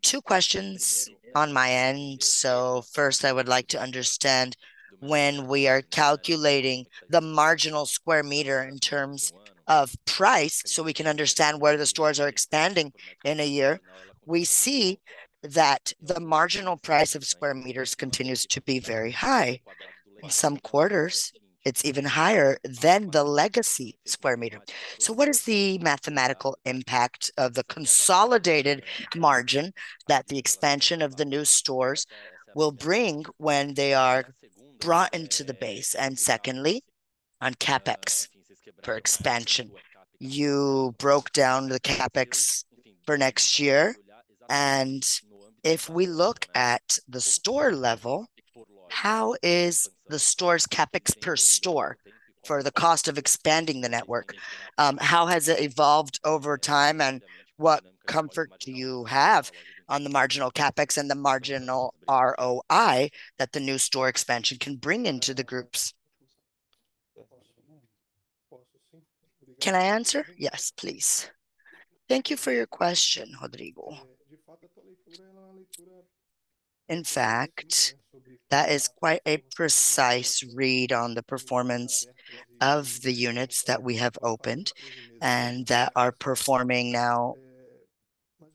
Two questions on my end. So first, I would like to understand when we are calculating the marginal square meter in terms of price so we can understand where the stores are expanding in a year. We see that the marginal price of square meters continues to be very high. In some quarters, it's even higher than the legacy square meter. So what is the mathematical impact of the consolidated margin that the expansion of the new stores will bring when they are brought into the base? And secondly, on CapEx for expansion. You broke down the CapEx for next year. And if we look at the store level, how is the store's CapEx per store for the cost of expanding the network? How has it evolved over time? And what comfort do you have on the marginal CapEx and the marginal ROI that the new store expansion can bring into the groups?
Can I answer?
Yes, please.
Thank you for your question, Rodrigo. In fact, that is quite a precise read on the performance of the units that we have opened and that are performing now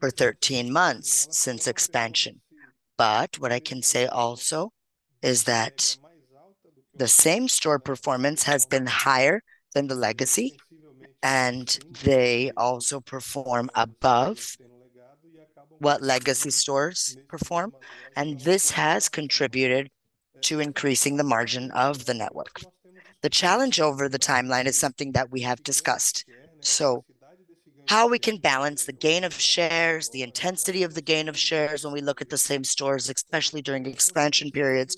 for 13 months since expansion. But what I can say also is that the same store performance has been higher than the legacy, and they also perform above what legacy stores perform. And this has contributed to increasing the margin of the network. The challenge over the timeline is something that we have discussed. So how we can balance the gain of shares, the intensity of the gain of shares when we look at the same stores, especially during expansion periods,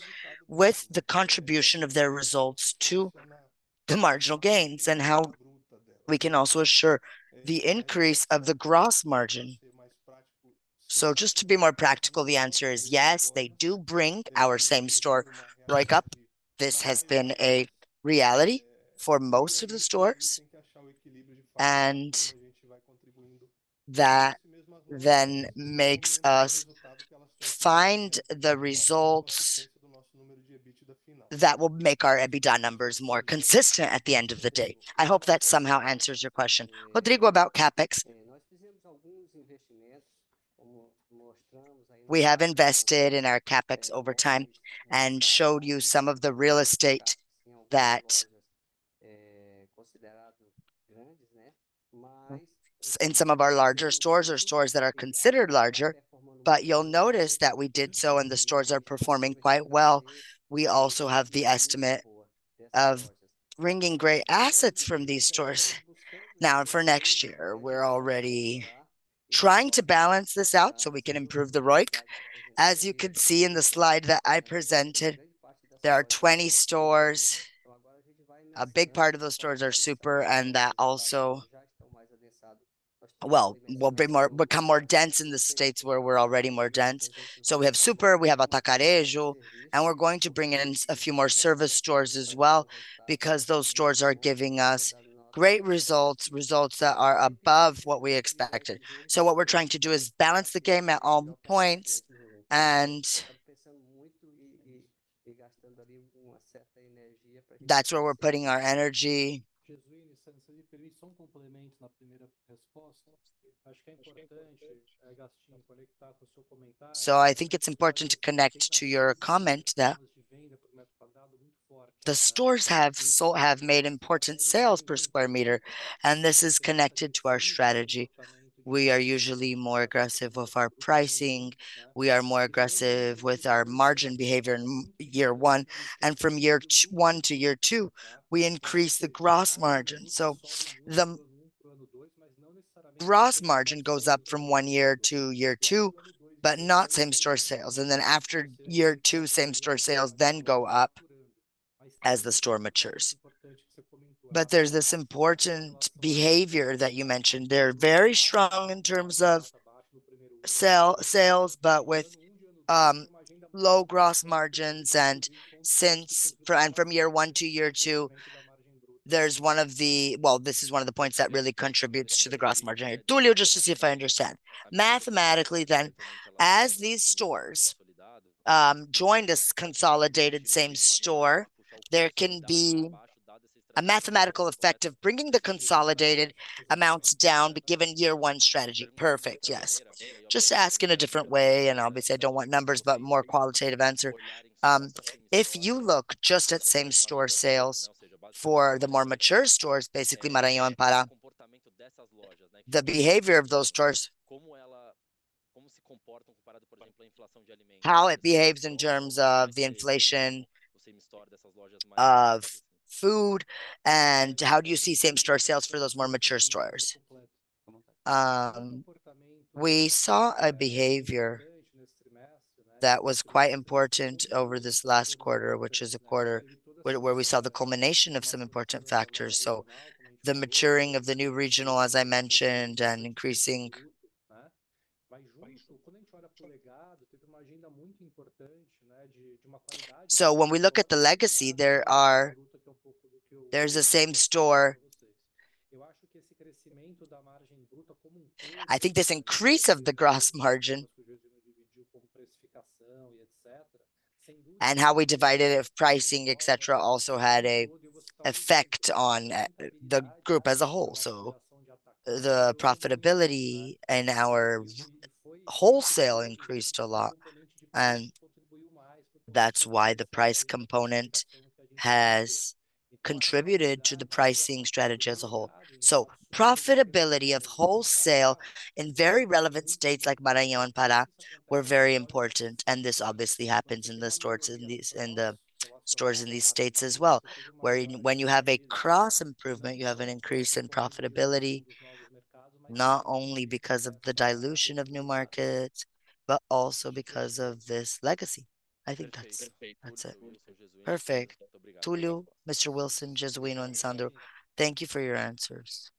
with the contribution of their results to the marginal gains and how we can also assure the increase of the gross margin. So just to be more practical, the answer is yes, they do bring our same store right up. This has been a reality for most of the stores. And that then makes us find the results that will make our EBITDA numbers more consistent at the end of the day. I hope that somehow answers your question. Rodrigo, about CapEx, we have invested in our CapEx over time and showed you some of the real estate that in some of our larger stores are stores that are considered larger. But you'll notice that we did so and the stores are performing quite well. We also have the estimate of bringing great assets from these stores. Now, for next year, we're already trying to balance this out so we can improve the ROIC. As you can see in the slide that I presented, there are 20 stores. A big part of those stores are super, and that also, well, will become more dense in the states where we're already more dense. So we have super, we have atacarejo, and we're going to bring in a few more service stores as well because those stores are giving us great results, results that are above what we expected. So what we're trying to do is balance the game at all points. And that's where we're putting our energy. So I think it's important to connect to your comment that the stores have made important sales per square meter, and this is connected to our strategy. We are usually more aggressive with our pricing. We are more aggressive with our margin behavior in year one. And from year one to year two, we increase the gross margin. So the gross margin goes up from one year to year two, but not same store sales. And then after year two, same store sales then go up as the store matures. But there's this important behavior that you mentioned. They're very strong in terms of sales, but with low gross margins. And since from year one to year two, there's one of the, well, this is one of the points that really contributes to the gross margin. Túlio, just to see if I understand. Mathematically, then as these stores join this consolidated same store, there can be a mathematical effect of bringing the consolidated amounts down given year one strategy. Perfect, yes. Just ask in a different way, and obviously, I don't want numbers, but more qualitative answer. If you look just at same store sales for the more mature stores, basically, Maranhão and Pará, the behavior of those stores, how it behaves in terms of the inflation of food, and how do you see same store sales for those more mature stores? We saw a behavior that was quite important over this last quarter, which is a quarter where we saw the culmination of some important factors. So the maturing of the new regional, as I mentioned, and increasing. So when we look at the legacy, there's the same store. I think this increase of the gross margin and how we derived it from pricing, etc., also had an effect on the group as a whole. So the profitability in our wholesale increased a lot. And that's why the price component has contributed to the pricing strategy as a whole. So profitability of wholesale in very relevant states like Maranhão and Pará were very important. And this obviously happens in the stores in these states as well, where when you have a gross improvement, you have an increase in profitability, not only because of the dilution of new markets, but also because of this leverage. I think that's it.
Perfect. Túlio, Mr. Ilson, Jesuíno and Sandro, thank you for your answers.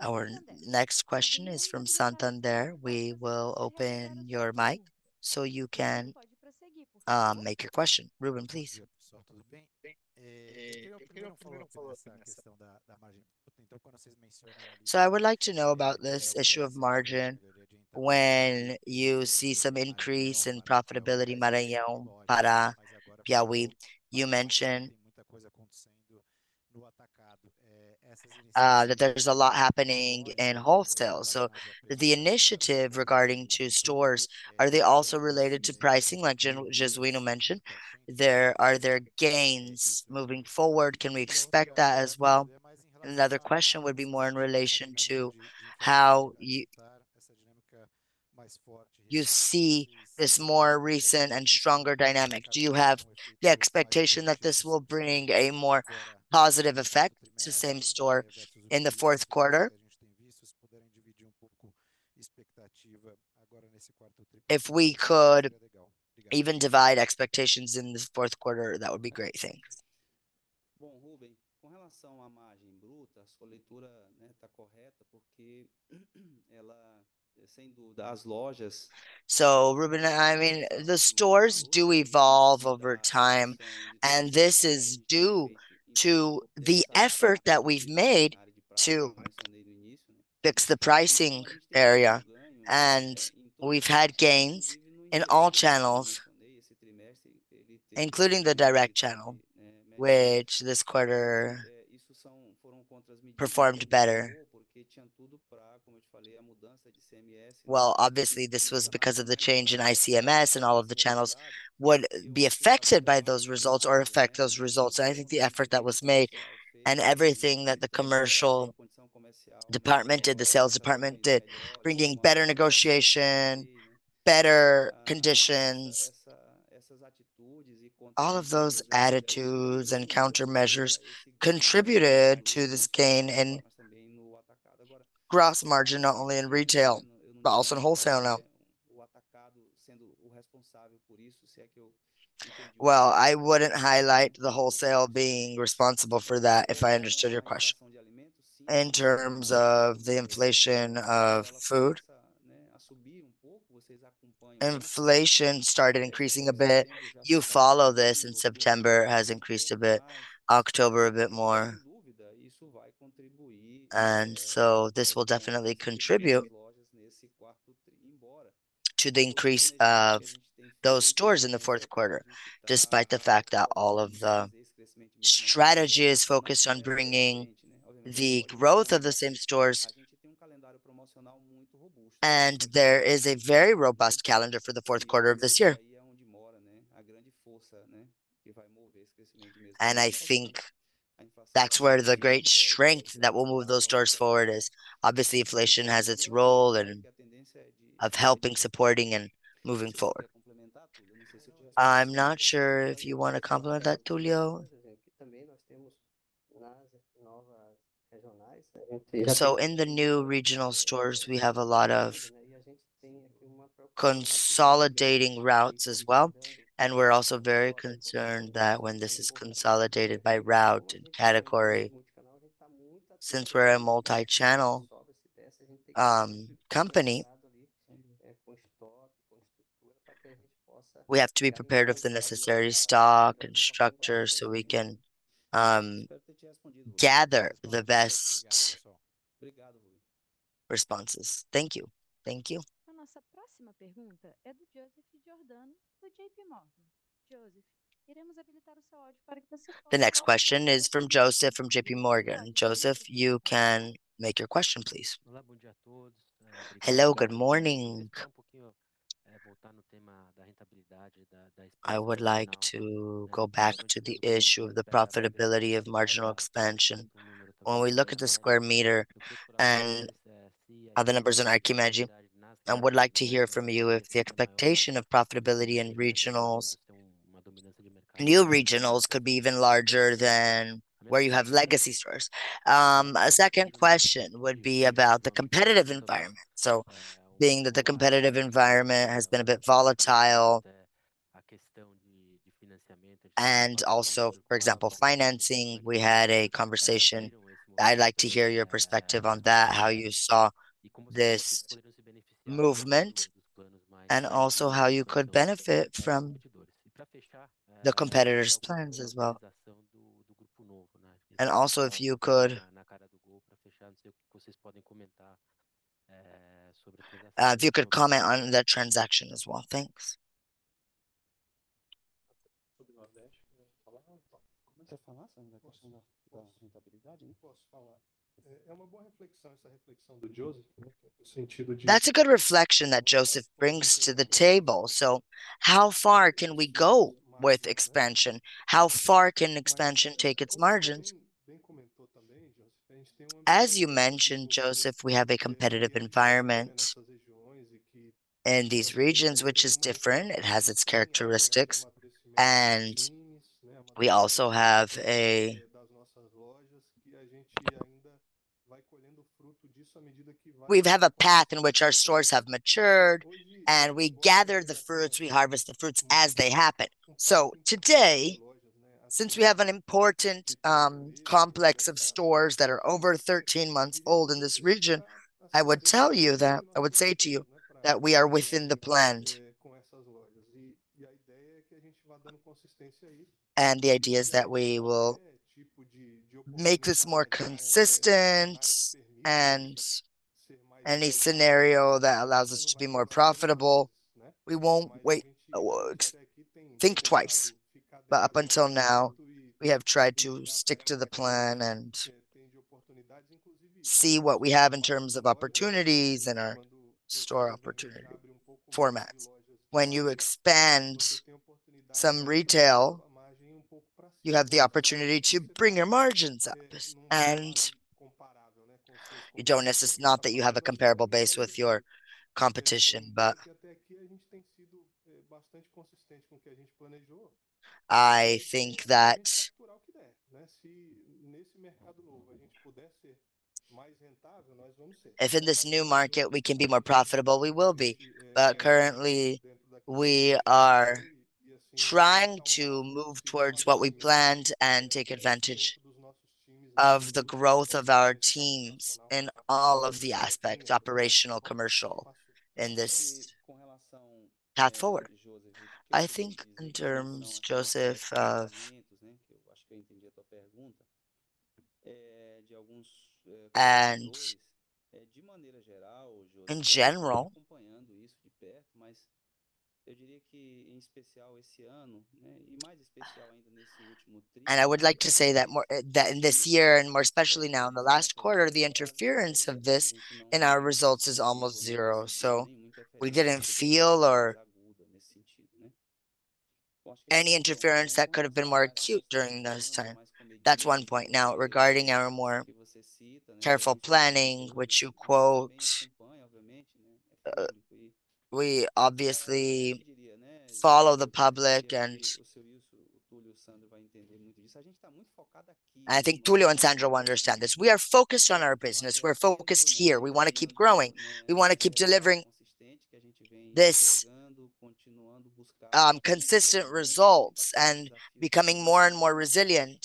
Our next question is from Santander. We will open your mic so you can make your question. Ruben, please.
So, I would like to know about this issue of margin when you see some increase in profitability in Maranhão, Pará, Piauí. You mentioned that there's a lot happening in wholesale. So the initiative regarding to stores, are they also related to pricing, like Jesuíno mentioned? Are there gains moving forward? Can we expect that as well? Another question would be more in relation to how you see this more recent and stronger dynamic. Do you have the expectation that this will bring a more positive effect to the same store in the fourth quarter? If we could even divide expectations in the fourth quarter, that would be great. Thanks. Com relação à margem bruta, a sua leitura está correta porque ela, sem dúvida, as lojas.
So Ruben, I mean, the stores do evolve over time, and this is due to the effort that we've made to fix the pricing area. And we've had gains in all channels, including the direct channel, which this quarter performed better. Well, obviously, this was because of the change in ICMS, and all of the channels would be affected by those results or affect those results. And I think the effort that was made and everything that the commercial department did, the sales department did, bringing better negotiation, better conditions, all of those attitudes and countermeasures contributed to this gain in gross margin, not only in retail, but also in wholesale now. Well, I wouldn't highlight the wholesale being responsible for that if I understood your question. In terms of the inflation of food, inflation started increasing a bit. You follow this in September has increased a bit, October a bit more. And so this will definitely contribute to the increase of those stores in the fourth quarter, despite the fact that all of the strategy is focused on bringing the growth of the same stores, and there is a very robust calendar for the fourth quarter of this year. And I think that's where the great strength that will move those stores forward is. Obviously, inflation has its role in helping, supporting, and moving forward. I'm not sure if you want to complement that, Túlio. So in the new regional stores, we have a lot of consolidating routes as well. And we're also very concerned that when this is consolidated by route and category, since we're a multi-channel company, we have to be prepared with the necessary stock and structure so we can gather the best responses.
Thank you.
Thank you. A nossa próxima pergunta é do Joseph Giordano, do JP Morgan. Joseph, iremos habilitar o seu áudio para que você possa. The next question is from Joseph from JP Morgan. Joseph, you can make your question, please.
Hello, good morning. Voltar no tema da rentabilidade da. I would like to go back to the issue of the profitability of marginal expansion. When we look at the square meter and other numbers in our Q3 MD&A, I would like to hear from you if the expectation of profitability in new regionals could be even larger than where you have legacy stores. A second question would be about the competitive environment. So being that the competitive environment has been a bit volatile and also, for example, financing, we had a conversation. I'd like to hear your perspective on that, how you saw this movement, and also how you could benefit from the competitor's plans as well. And also, if you could comment on that transaction as well. Thanks.
That's a good reflection that Joseph brings to the table. So how far can we go with expansion? How far can expansion take its margins? As you mentioned, Joseph, we have a competitive environment in these regions, which is different. It has its characteristics. And we also have a path in which our stores have matured, and we gather the fruits, we harvest the fruits as they happen. So today, since we have an important complex of stores that are over 13 months old in this region, I would tell you that, I would say to you that we are within the planned. And the idea is that we will make this more consistent and any scenario that allows us to be more profitable, we won't think twice. But up until now, we have tried to stick to the plan and see what we have in terms of opportunities and our store opportunity formats. When you expand some retail, you have the opportunity to bring your margins up. And it's not that you have a comparable base with your competition, but I think that if in this new market we can be more profitable, we will be. But currently, we are trying to move towards what we planned and take advantage of the growth of our teams in all of the aspects, operational, commercial, in this path forward. I think in terms, Joseph, and in general, eu diria que em especial esse ano, e mais especial ainda nesse último trimestre. I would like to say that this year, and more especially now in the last quarter, the interference of this in our results is almost zero. So we didn't feel or any interference that could have been more acute during this time. That's one point. Now, regarding our more careful planning, which you quote, we obviously follow the public and I think Túlio and Sandro understand this. We are focused on our business. We're focused here. We want to keep growing. We want to keep delivering this consistent results and becoming more and more resilient.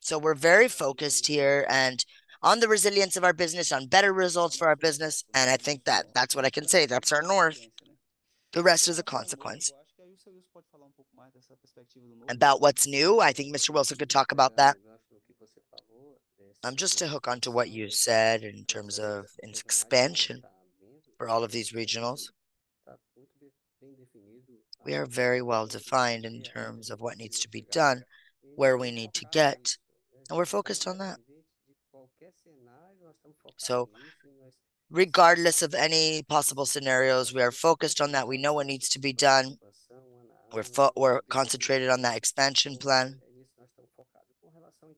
So we're very focused here and on the resilience of our business, on better results for our business. And I think that that's what I can say. That's our north. The rest is a consequence. About what's new, I think Mr. Ilson could talk about that.
Just to hook onto what you said in terms of expansion for all of these regionals, we are very well defined in terms of what needs to be done, where we need to get, and we're focused on that. So regardless of any possible scenarios, we are focused on that. We know what needs to be done. We're concentrated on that expansion plan.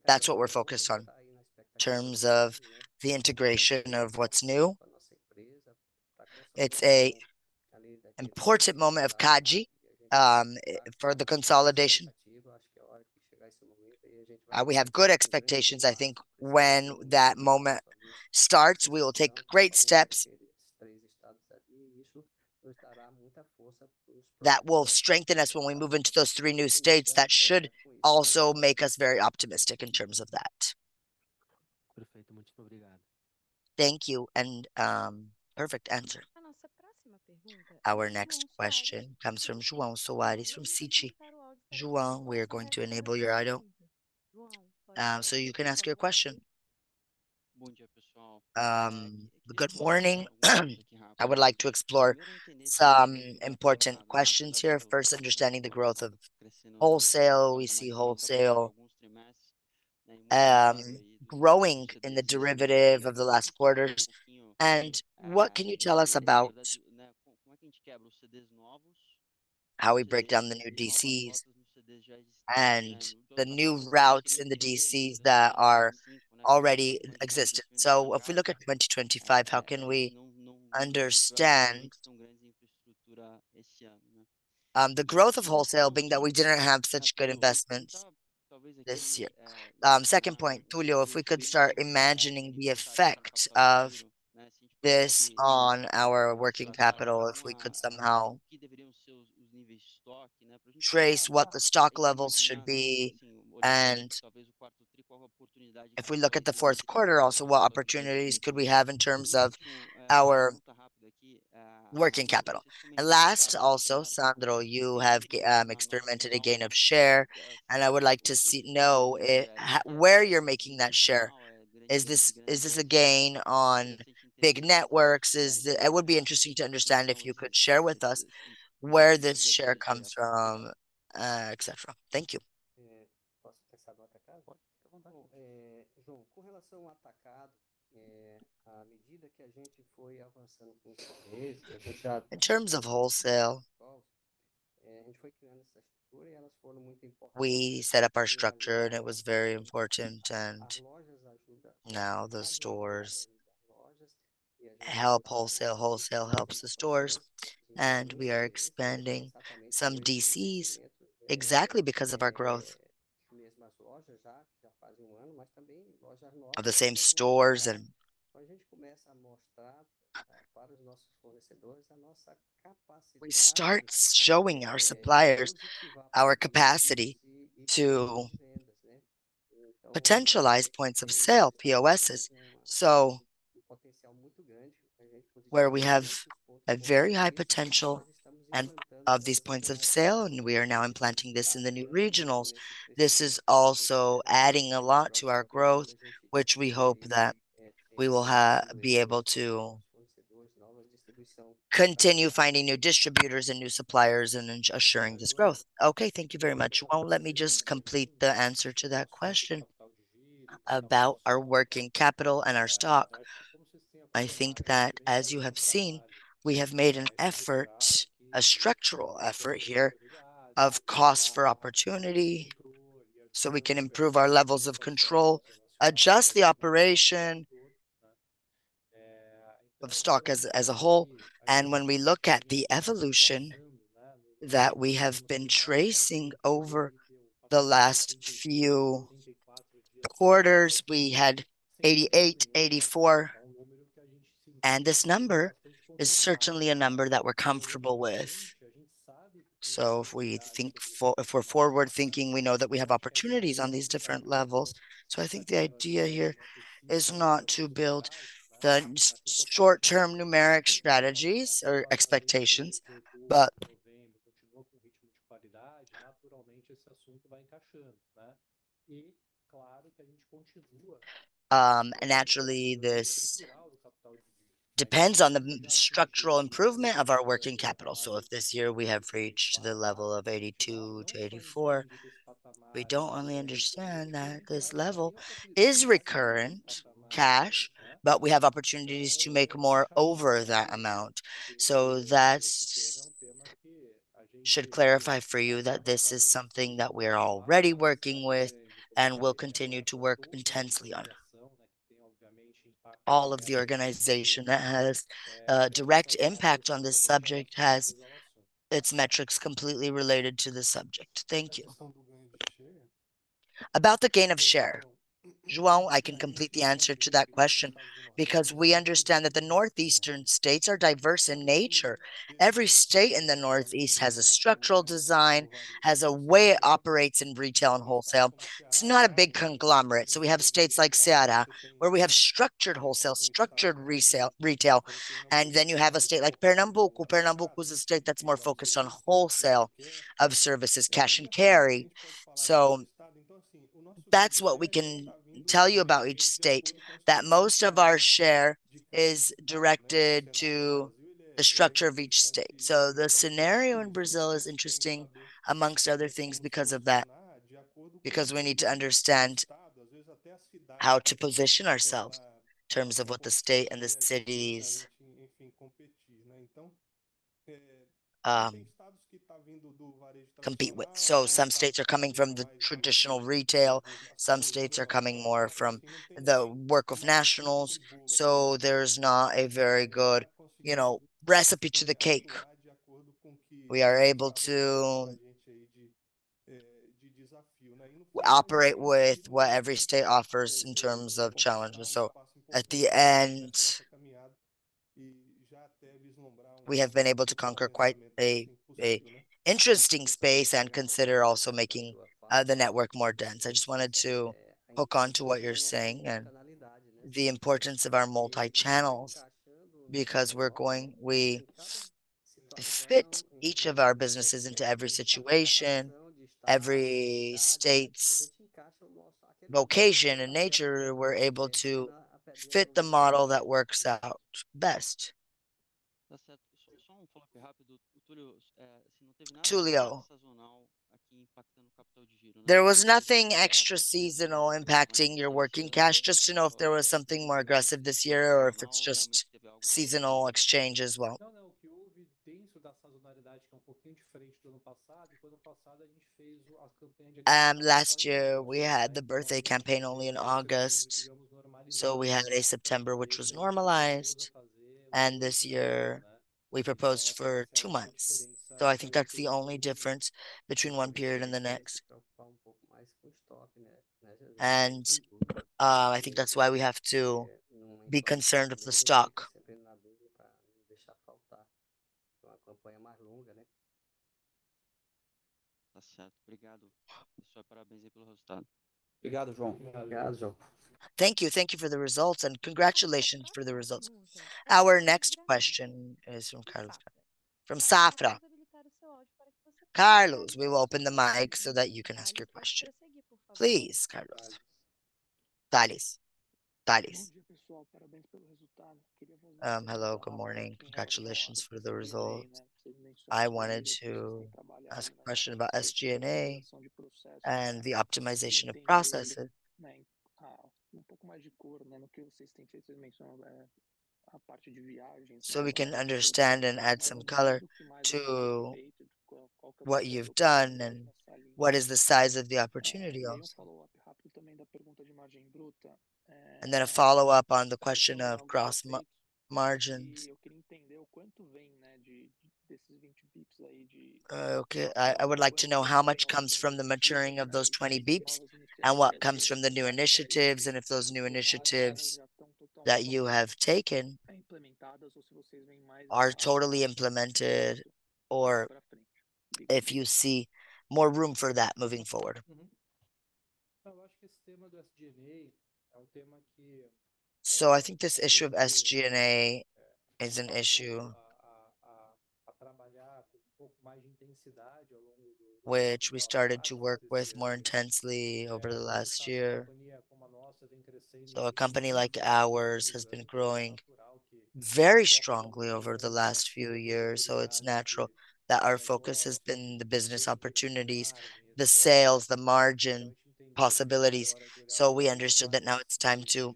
That's what we're focused on in terms of the integration of what's new. It's an important moment of change for the consolidation. We have good expectations. I think when that moment starts, we will take great steps. That will strengthen us when we move into those three new states. That should also make us very optimistic in terms of that.
Thank you. And perfect answer.
Our next question comes from João Soares from Citi. João, we are going to enable your audio. So you can ask your question.
Good morning. I would like to explore some important questions here. First, understanding the growth of wholesale. We see wholesale growing during the last quarters. And what can you tell us about how we break down the new DCs and the new routes in the DCs that already exist? So if we look at 2025, how can we understand the growth of wholesale being that we didn't have such good investments this year? Second point, Túlio, if we could start imagining the effect of this on our working capital, if we could somehow trace what the stock levels should be. And if we look at the fourth quarter, also, what opportunities could we have in terms of our working capital? And last, also, Sandro, you have experienced a gain of share, and I would like to know where you're making that share. Is this a gain on big networks? It would be interesting to understand if you could share with us where this share comes from, etc. Thank you.
Com relação ao atacado, à medida que a gente foi avançando com os correios, a gente já in terms of wholesale, a gente foi criando essa estrutura e elas foram muito importantes. We set up our structure, and it was very important. Now the stores help wholesale, wholesale helps the stores, and we are expanding some DCs exactly because of our growth. Mas já faz ano, mas também lojas novas. Of the same stores and a gente começa a mostrar para os nossos fornecedores a nossa capacidade. We start showing our suppliers our capacity to potentialize points of sale, POSs. So where we have a very high potential and of these points of sale, and we are now implementing this in the new regionals. This is also adding a lot to our growth, which we hope that we will be able to continue finding new distributors and new suppliers and ensuring this growth.
Okay, thank you very much.
Well, let me just complete the answer to that question about our working capital and our stock. I think that as you have seen, we have made an effort, a structural effort here of cost for opportunity so we can improve our levels of control, adjust the operation of stock as a whole, and when we look at the evolution that we have been tracing over the last few quarters, we had 88, 84, and this number is certainly a number that we're comfortable with. So if we think forward-thinking, we know that we have opportunities on these different levels. So I think the idea here is not to build the short-term numeric strategies or expectations, but. Proveem retorno de qualidade, naturalmente esse assunto vai encaixando. E claro que a gente continua. And naturally, this depends on the structural improvement of our working capital. So if this year we have reached the level of 82-84, we don't only understand that this level is recurrent cash, but we have opportunities to make more over that amount. So that should clarify for you that this is something that we are already working with and will continue to work intensely on. All of the organization that has a direct impact on this subject has its metrics completely related to the subject. Thank you.
About the gain of share, João, I can complete the answer to that question because we understand that the Northeastern states are diverse in nature. Every state in the Northeast has a structural design, has a way it operates in retail and wholesale. It's not a big conglomerate. So we have states like Ceará where we have structured wholesale, structured retail. And then you have a state like Pernambuco. Pernambuco is a state that's more focused on wholesale of services, cash and carry. So that's what we can tell you about each state, that most of our share is directed to the structure of each state. So the scenario in Brazil is interesting among other things because of that, because we need to understand how to position ourselves in terms of what the state and the cities compete with. So, some states are coming from the traditional retail, some states are coming more from the work of nationals. So, there's not a very good recipe for the cake. We are able to operate with what every state offers in terms of challenges. So, at the end, we have been able to conquer quite an interesting space and consider also making the network more dense. I just wanted to hook onto what you're saying and the importance of our multi-channels because we're going, we fit each of our businesses into every situation, every state's location and nature. We're able to fit the model that works out best. Túlio, there was nothing extra seasonal impacting your working capital, just to know if there was something more aggressive this year or if it's just seasonal effects as well. Last year, we had the birthday campaign only in August, so we had a September which was normalized, and this year we proposed for two months. So I think that's the only difference between one period and the next. And I think that's why we have to be concerned of the stock. Obrigado.
Thank you. Thank you for the results and congratulations for the results. Our next question is from Carlos. Carlos, we will open the mic so that you can ask your question. Please, Carlos. Thales.
Hello, good morning. Congratulations for the results. I wanted to ask a question about SG&A and the optimization of processes. So we can understand and add some color to what you've done and what is the size of the opportunity. And then a follow-up on the question of cross margins. I would like to know how much comes from the maturing of those 20 basis points and what comes from the new initiatives and if those new initiatives that you have taken are totally implemented or if you see more room for that moving forward?
So I think this issue of SG&A is an issue which we started to work with more intensely over the last year, so a company like ours has been growing very strongly over the last few years, so it's natural that our focus has been the business opportunities, the sales, the margin possibilities, so we understood that now it's time to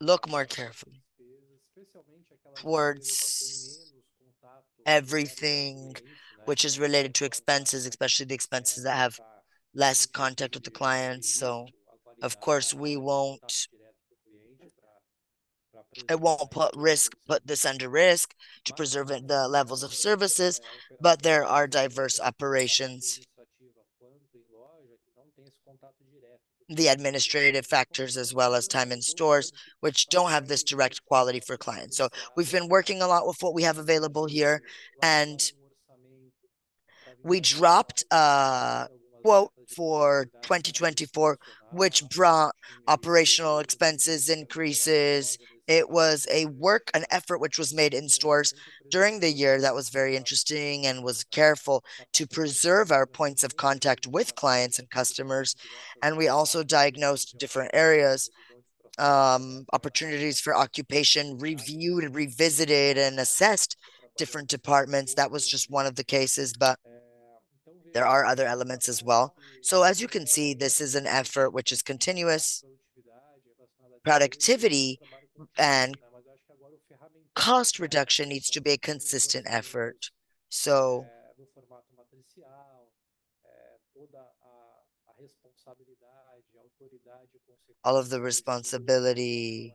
look more carefully towards everything which is related to expenses, especially the expenses that have less contact with the clients. So, of course, we won't put this under risk to preserve the levels of services, but there are diverse operations, the administrative factors as well as time in stores, which don't have this direct quality for clients. So, we've been working a lot with what we have available here, and we dropped a quota for 2024, which brought operational expenses increases. It was an effort which was made in stores during the year that was very interesting and was careful to preserve our points of contact with clients and customers. And we also diagnosed different areas, opportunities for optimization, reviewed and revisited and assessed different departments. That was just one of the cases, but there are other elements as well. So, as you can see, this is an effort which is continuous. Productivity and cost reduction needs to be a consistent effort. All of the responsibility,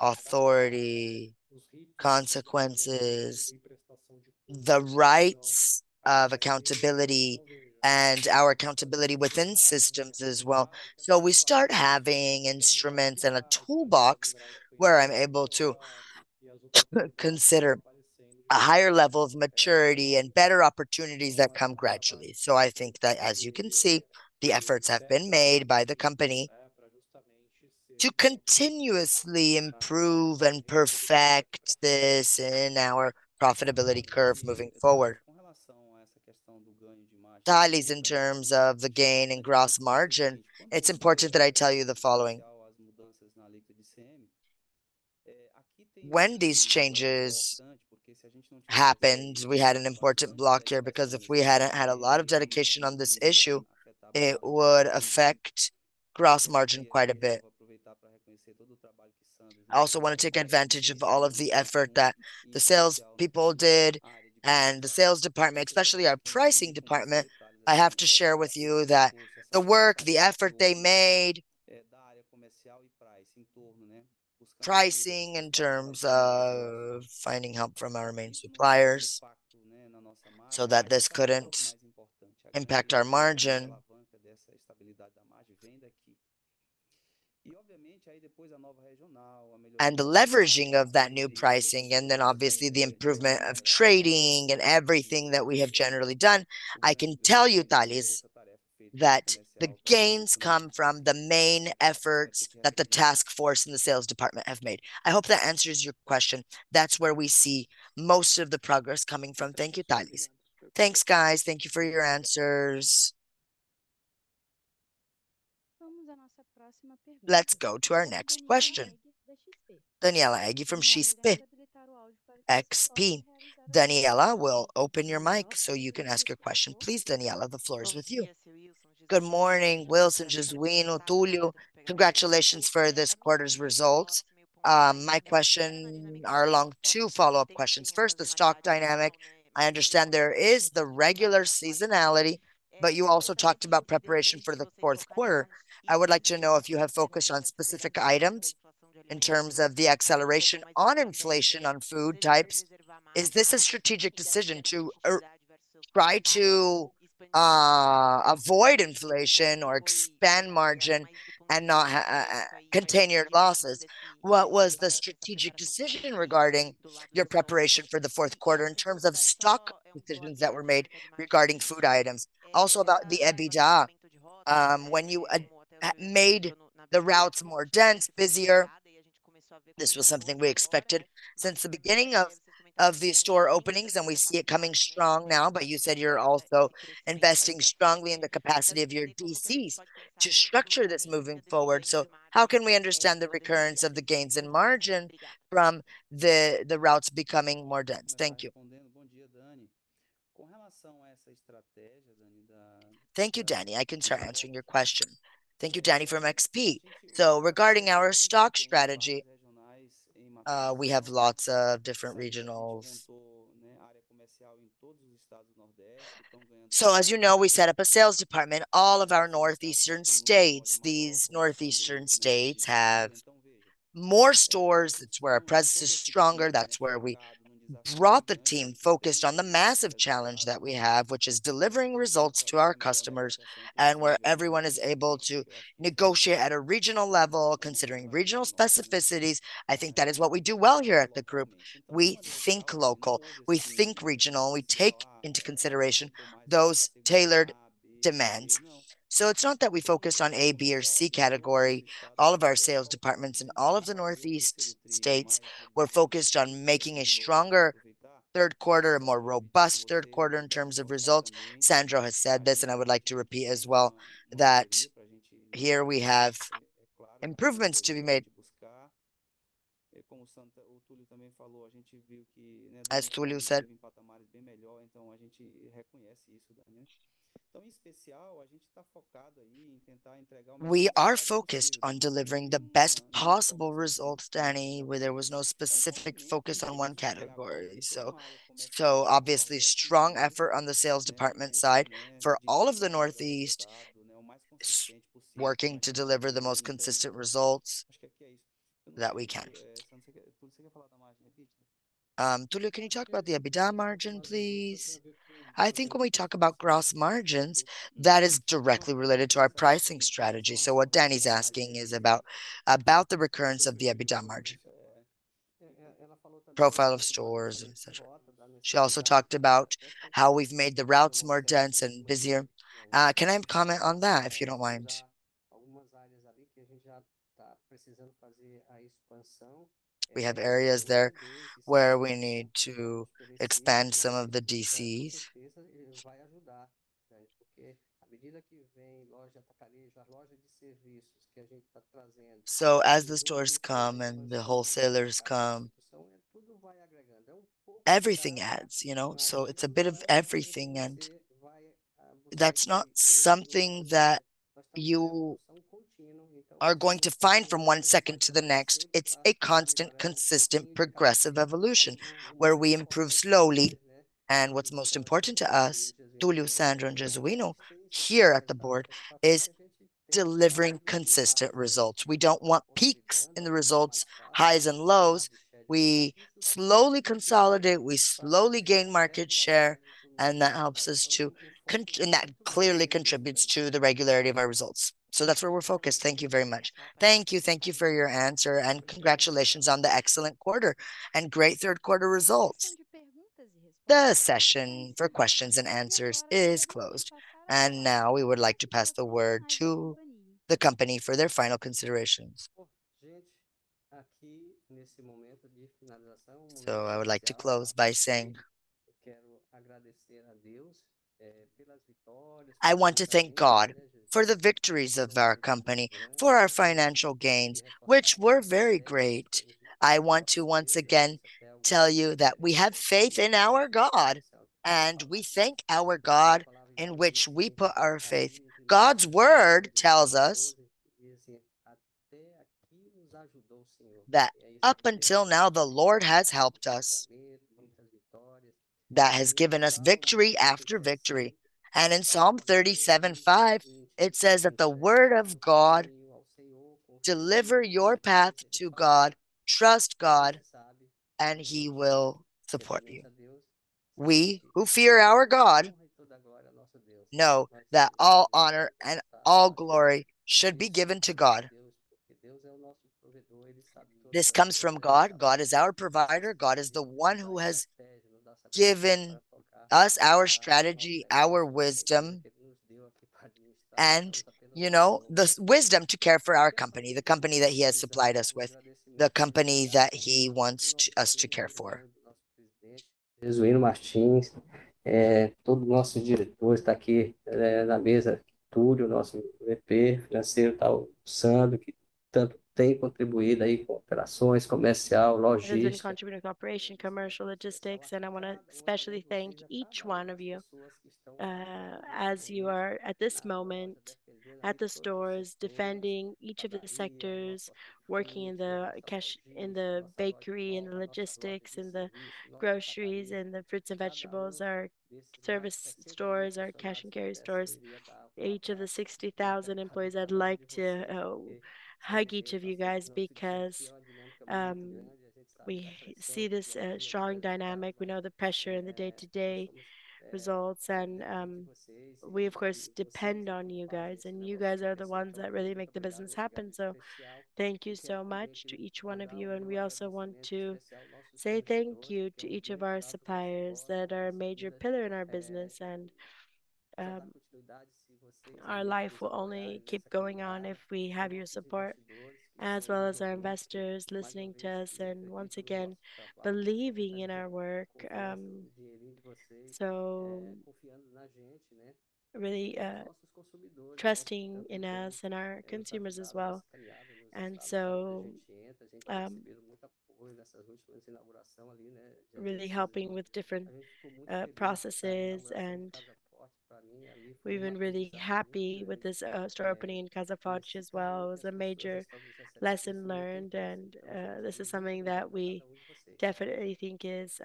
authority, consequences, the rights of accountability, and our accountability within systems as well. We start having instruments and a toolbox where I'm able to consider a higher level of maturity and better opportunities that come gradually. I think that, as you can see, the efforts have been made by the company to continuously improve and perfect this in our profitability curve moving forward. Thales, in terms of the gain and gross margin, it's important that I tell you the following. When these changes happened, we had an important block here because if we hadn't had a lot of dedication on this issue, it would affect gross margin quite a bit. I also want to take advantage of all of the effort that the salespeople did and the sales department, especially our pricing department. I have to share with you that the work, the effort they made, pricing in terms of finding help from our main suppliers so that this couldn't impact our margin, and the leveraging of that new pricing, and then obviously the improvement of trading and everything that we have generally done. I can tell you, Thales, that the gains come from the main efforts that the task force and the sales department have made. I hope that answers your question. That's where we see most of the progress coming from. Thank you, Thales.
Thanks, guys. Thank you for your answers. Let's go to our next question. Danniela Eiger, from XP. Danniela, will open your mic so you can ask your question. Please, Danniela, the floor is with you.
Good morning, Wilson Jesuíno, Túlio. Congratulations for this quarter's results. My questions are along two follow-up questions. First, the stock dynamic. I understand there is the regular seasonality, but you also talked about preparation for the fourth quarter. I would like to know if you have focused on specific items in terms of the acceleration on inflation on food types. Is this a strategic decision to try to avoid inflation or expand margin and not contain your losses? What was the strategic decision regarding your preparation for the fourth quarter in terms of stock decisions that were made regarding food items? Also about the EBITDA, when you made the routes more dense, busier, this was something we expected since the beginning of the store openings, and we see it coming strong now, but you said you're also investing strongly in the capacity of your DCs to structure this moving forward. So how can we understand the recurrence of the gains in margin from the routes becoming more dense? Thank you.
Thank you, Dani. I can start answering your question. Thank you, Dani, from XP. So regarding our stock strategy, we have lots of different regionals. So as you know, we set up a sales department. All of our Northeastern states, these Northeastern states have more stores. That's where our presence is stronger. That's where we brought the team focused on the massive challenge that we have, which is delivering results to our customers and where everyone is able to negotiate at a regional level, considering regional specificities. I think that is what we do well here at the group. We think local, we think regional, and we take into consideration those tailored demands. So it's not that we focus on A, B, or C category. All of our sales departments in all of the Northeast states, we're focused on making a stronger third quarter, a more robust third quarter in terms of results. Sandro has said this, and I would like to repeat as well that here we have improvements to be made. As Túlio said that we are focused on delivering the best possible results, Dani, where there was no specific focus on one category. So obviously, strong effort on the sales department side for all of the Northeast, working to deliver the most consistent results that we can. Túlio, can you talk about the EBITDA margin, please? I think when we talk about gross margins, that is directly related to our pricing strategy. So what Dani's asking is about the recurrence of the EBITDA margin, profile of stores, etc. She also talked about how we've made the routes more dense and busier.
Can I comment on that, if you don't mind? We have areas there where we need to expand some of the DCs. So as the stores come and the wholesalers come, everything adds, you know? So it's a bit of everything, and that's not something that you are going to find from one second to the next. It's a constant, consistent, progressive evolution where we improve slowly. And what's most important to us, Túlio, Sandro, and Jesuíno, here at the board, is delivering consistent results. We don't want peaks in the results, highs and lows. We slowly consolidate, we slowly gain market share, and that helps us to, and that clearly contributes to the regularity of our results. So that's where we're focused. Thank you very much.
Thank you. Thank you for your answer, and congratulations on the excellent quarter and great third quarter results.
The session for questions and answers is closed, and now we would like to pass the word to the company for their final considerations.
So I would like to close by saying, I want to thank God for the victories of our company, for our financial gains, which were very great. I want to once again tell you that we have faith in our God, and we thank our God in which we put our faith. God's word tells us that up until now, the Lord has helped us, that has given us victory after victory, and in Psalm 37:5, it says that the word of God, deliver your path to God, trust God, and He will support you. We who fear our God know that all honor and all glory should be given to God. This comes from God. God is our provider. God is the one who has given us our strategy, our wisdom, and, you know, the wisdom to care for our company, the company that He has supplied us with, the company that He wants us to care for. Jesuíno Martins, todo o nosso diretor está aqui na mesa. Túlio, nosso VP financeiro, está almoçando, que tanto tem contribuído aí com operações, comercial, logística. And I want to especially thank each one of you as you are at this moment at the stores defending each of the sectors, working in the cash, in the bakery, in the logistics, in the groceries, in the fruits and vegetables, our service stores, our cash and carry stores. Each of the 60,000 employees, I'd like to hug each of you guys because we see this strong dynamic. We know the pressure in the day-to-day results, and we, of course, depend on you guys, and you guys are the ones that really make the business happen. So thank you so much to each one of you. And we also want to say thank you to each of our suppliers that are a major pillar in our business. And our life will only keep going on if we have your support, as well as our investors listening to us and, once again, believing in our work. So really trusting in us and our consumers as well. And so really helping with different processes. And we've been really happy with this store opening in Casa Forte as well. It was a major lesson learned, and this is something that we definitely think is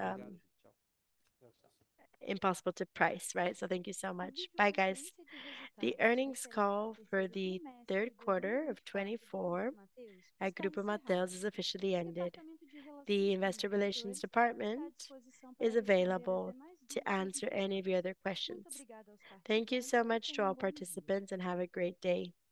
impossible to price, right? So thank you so much. Bye, guys.
The earnings call for the third quarter of 2024 at Grupo Mateus has officially ended. The investor relations department is available to answer any of your other questions. Thank you so much to all participants, and have a great day.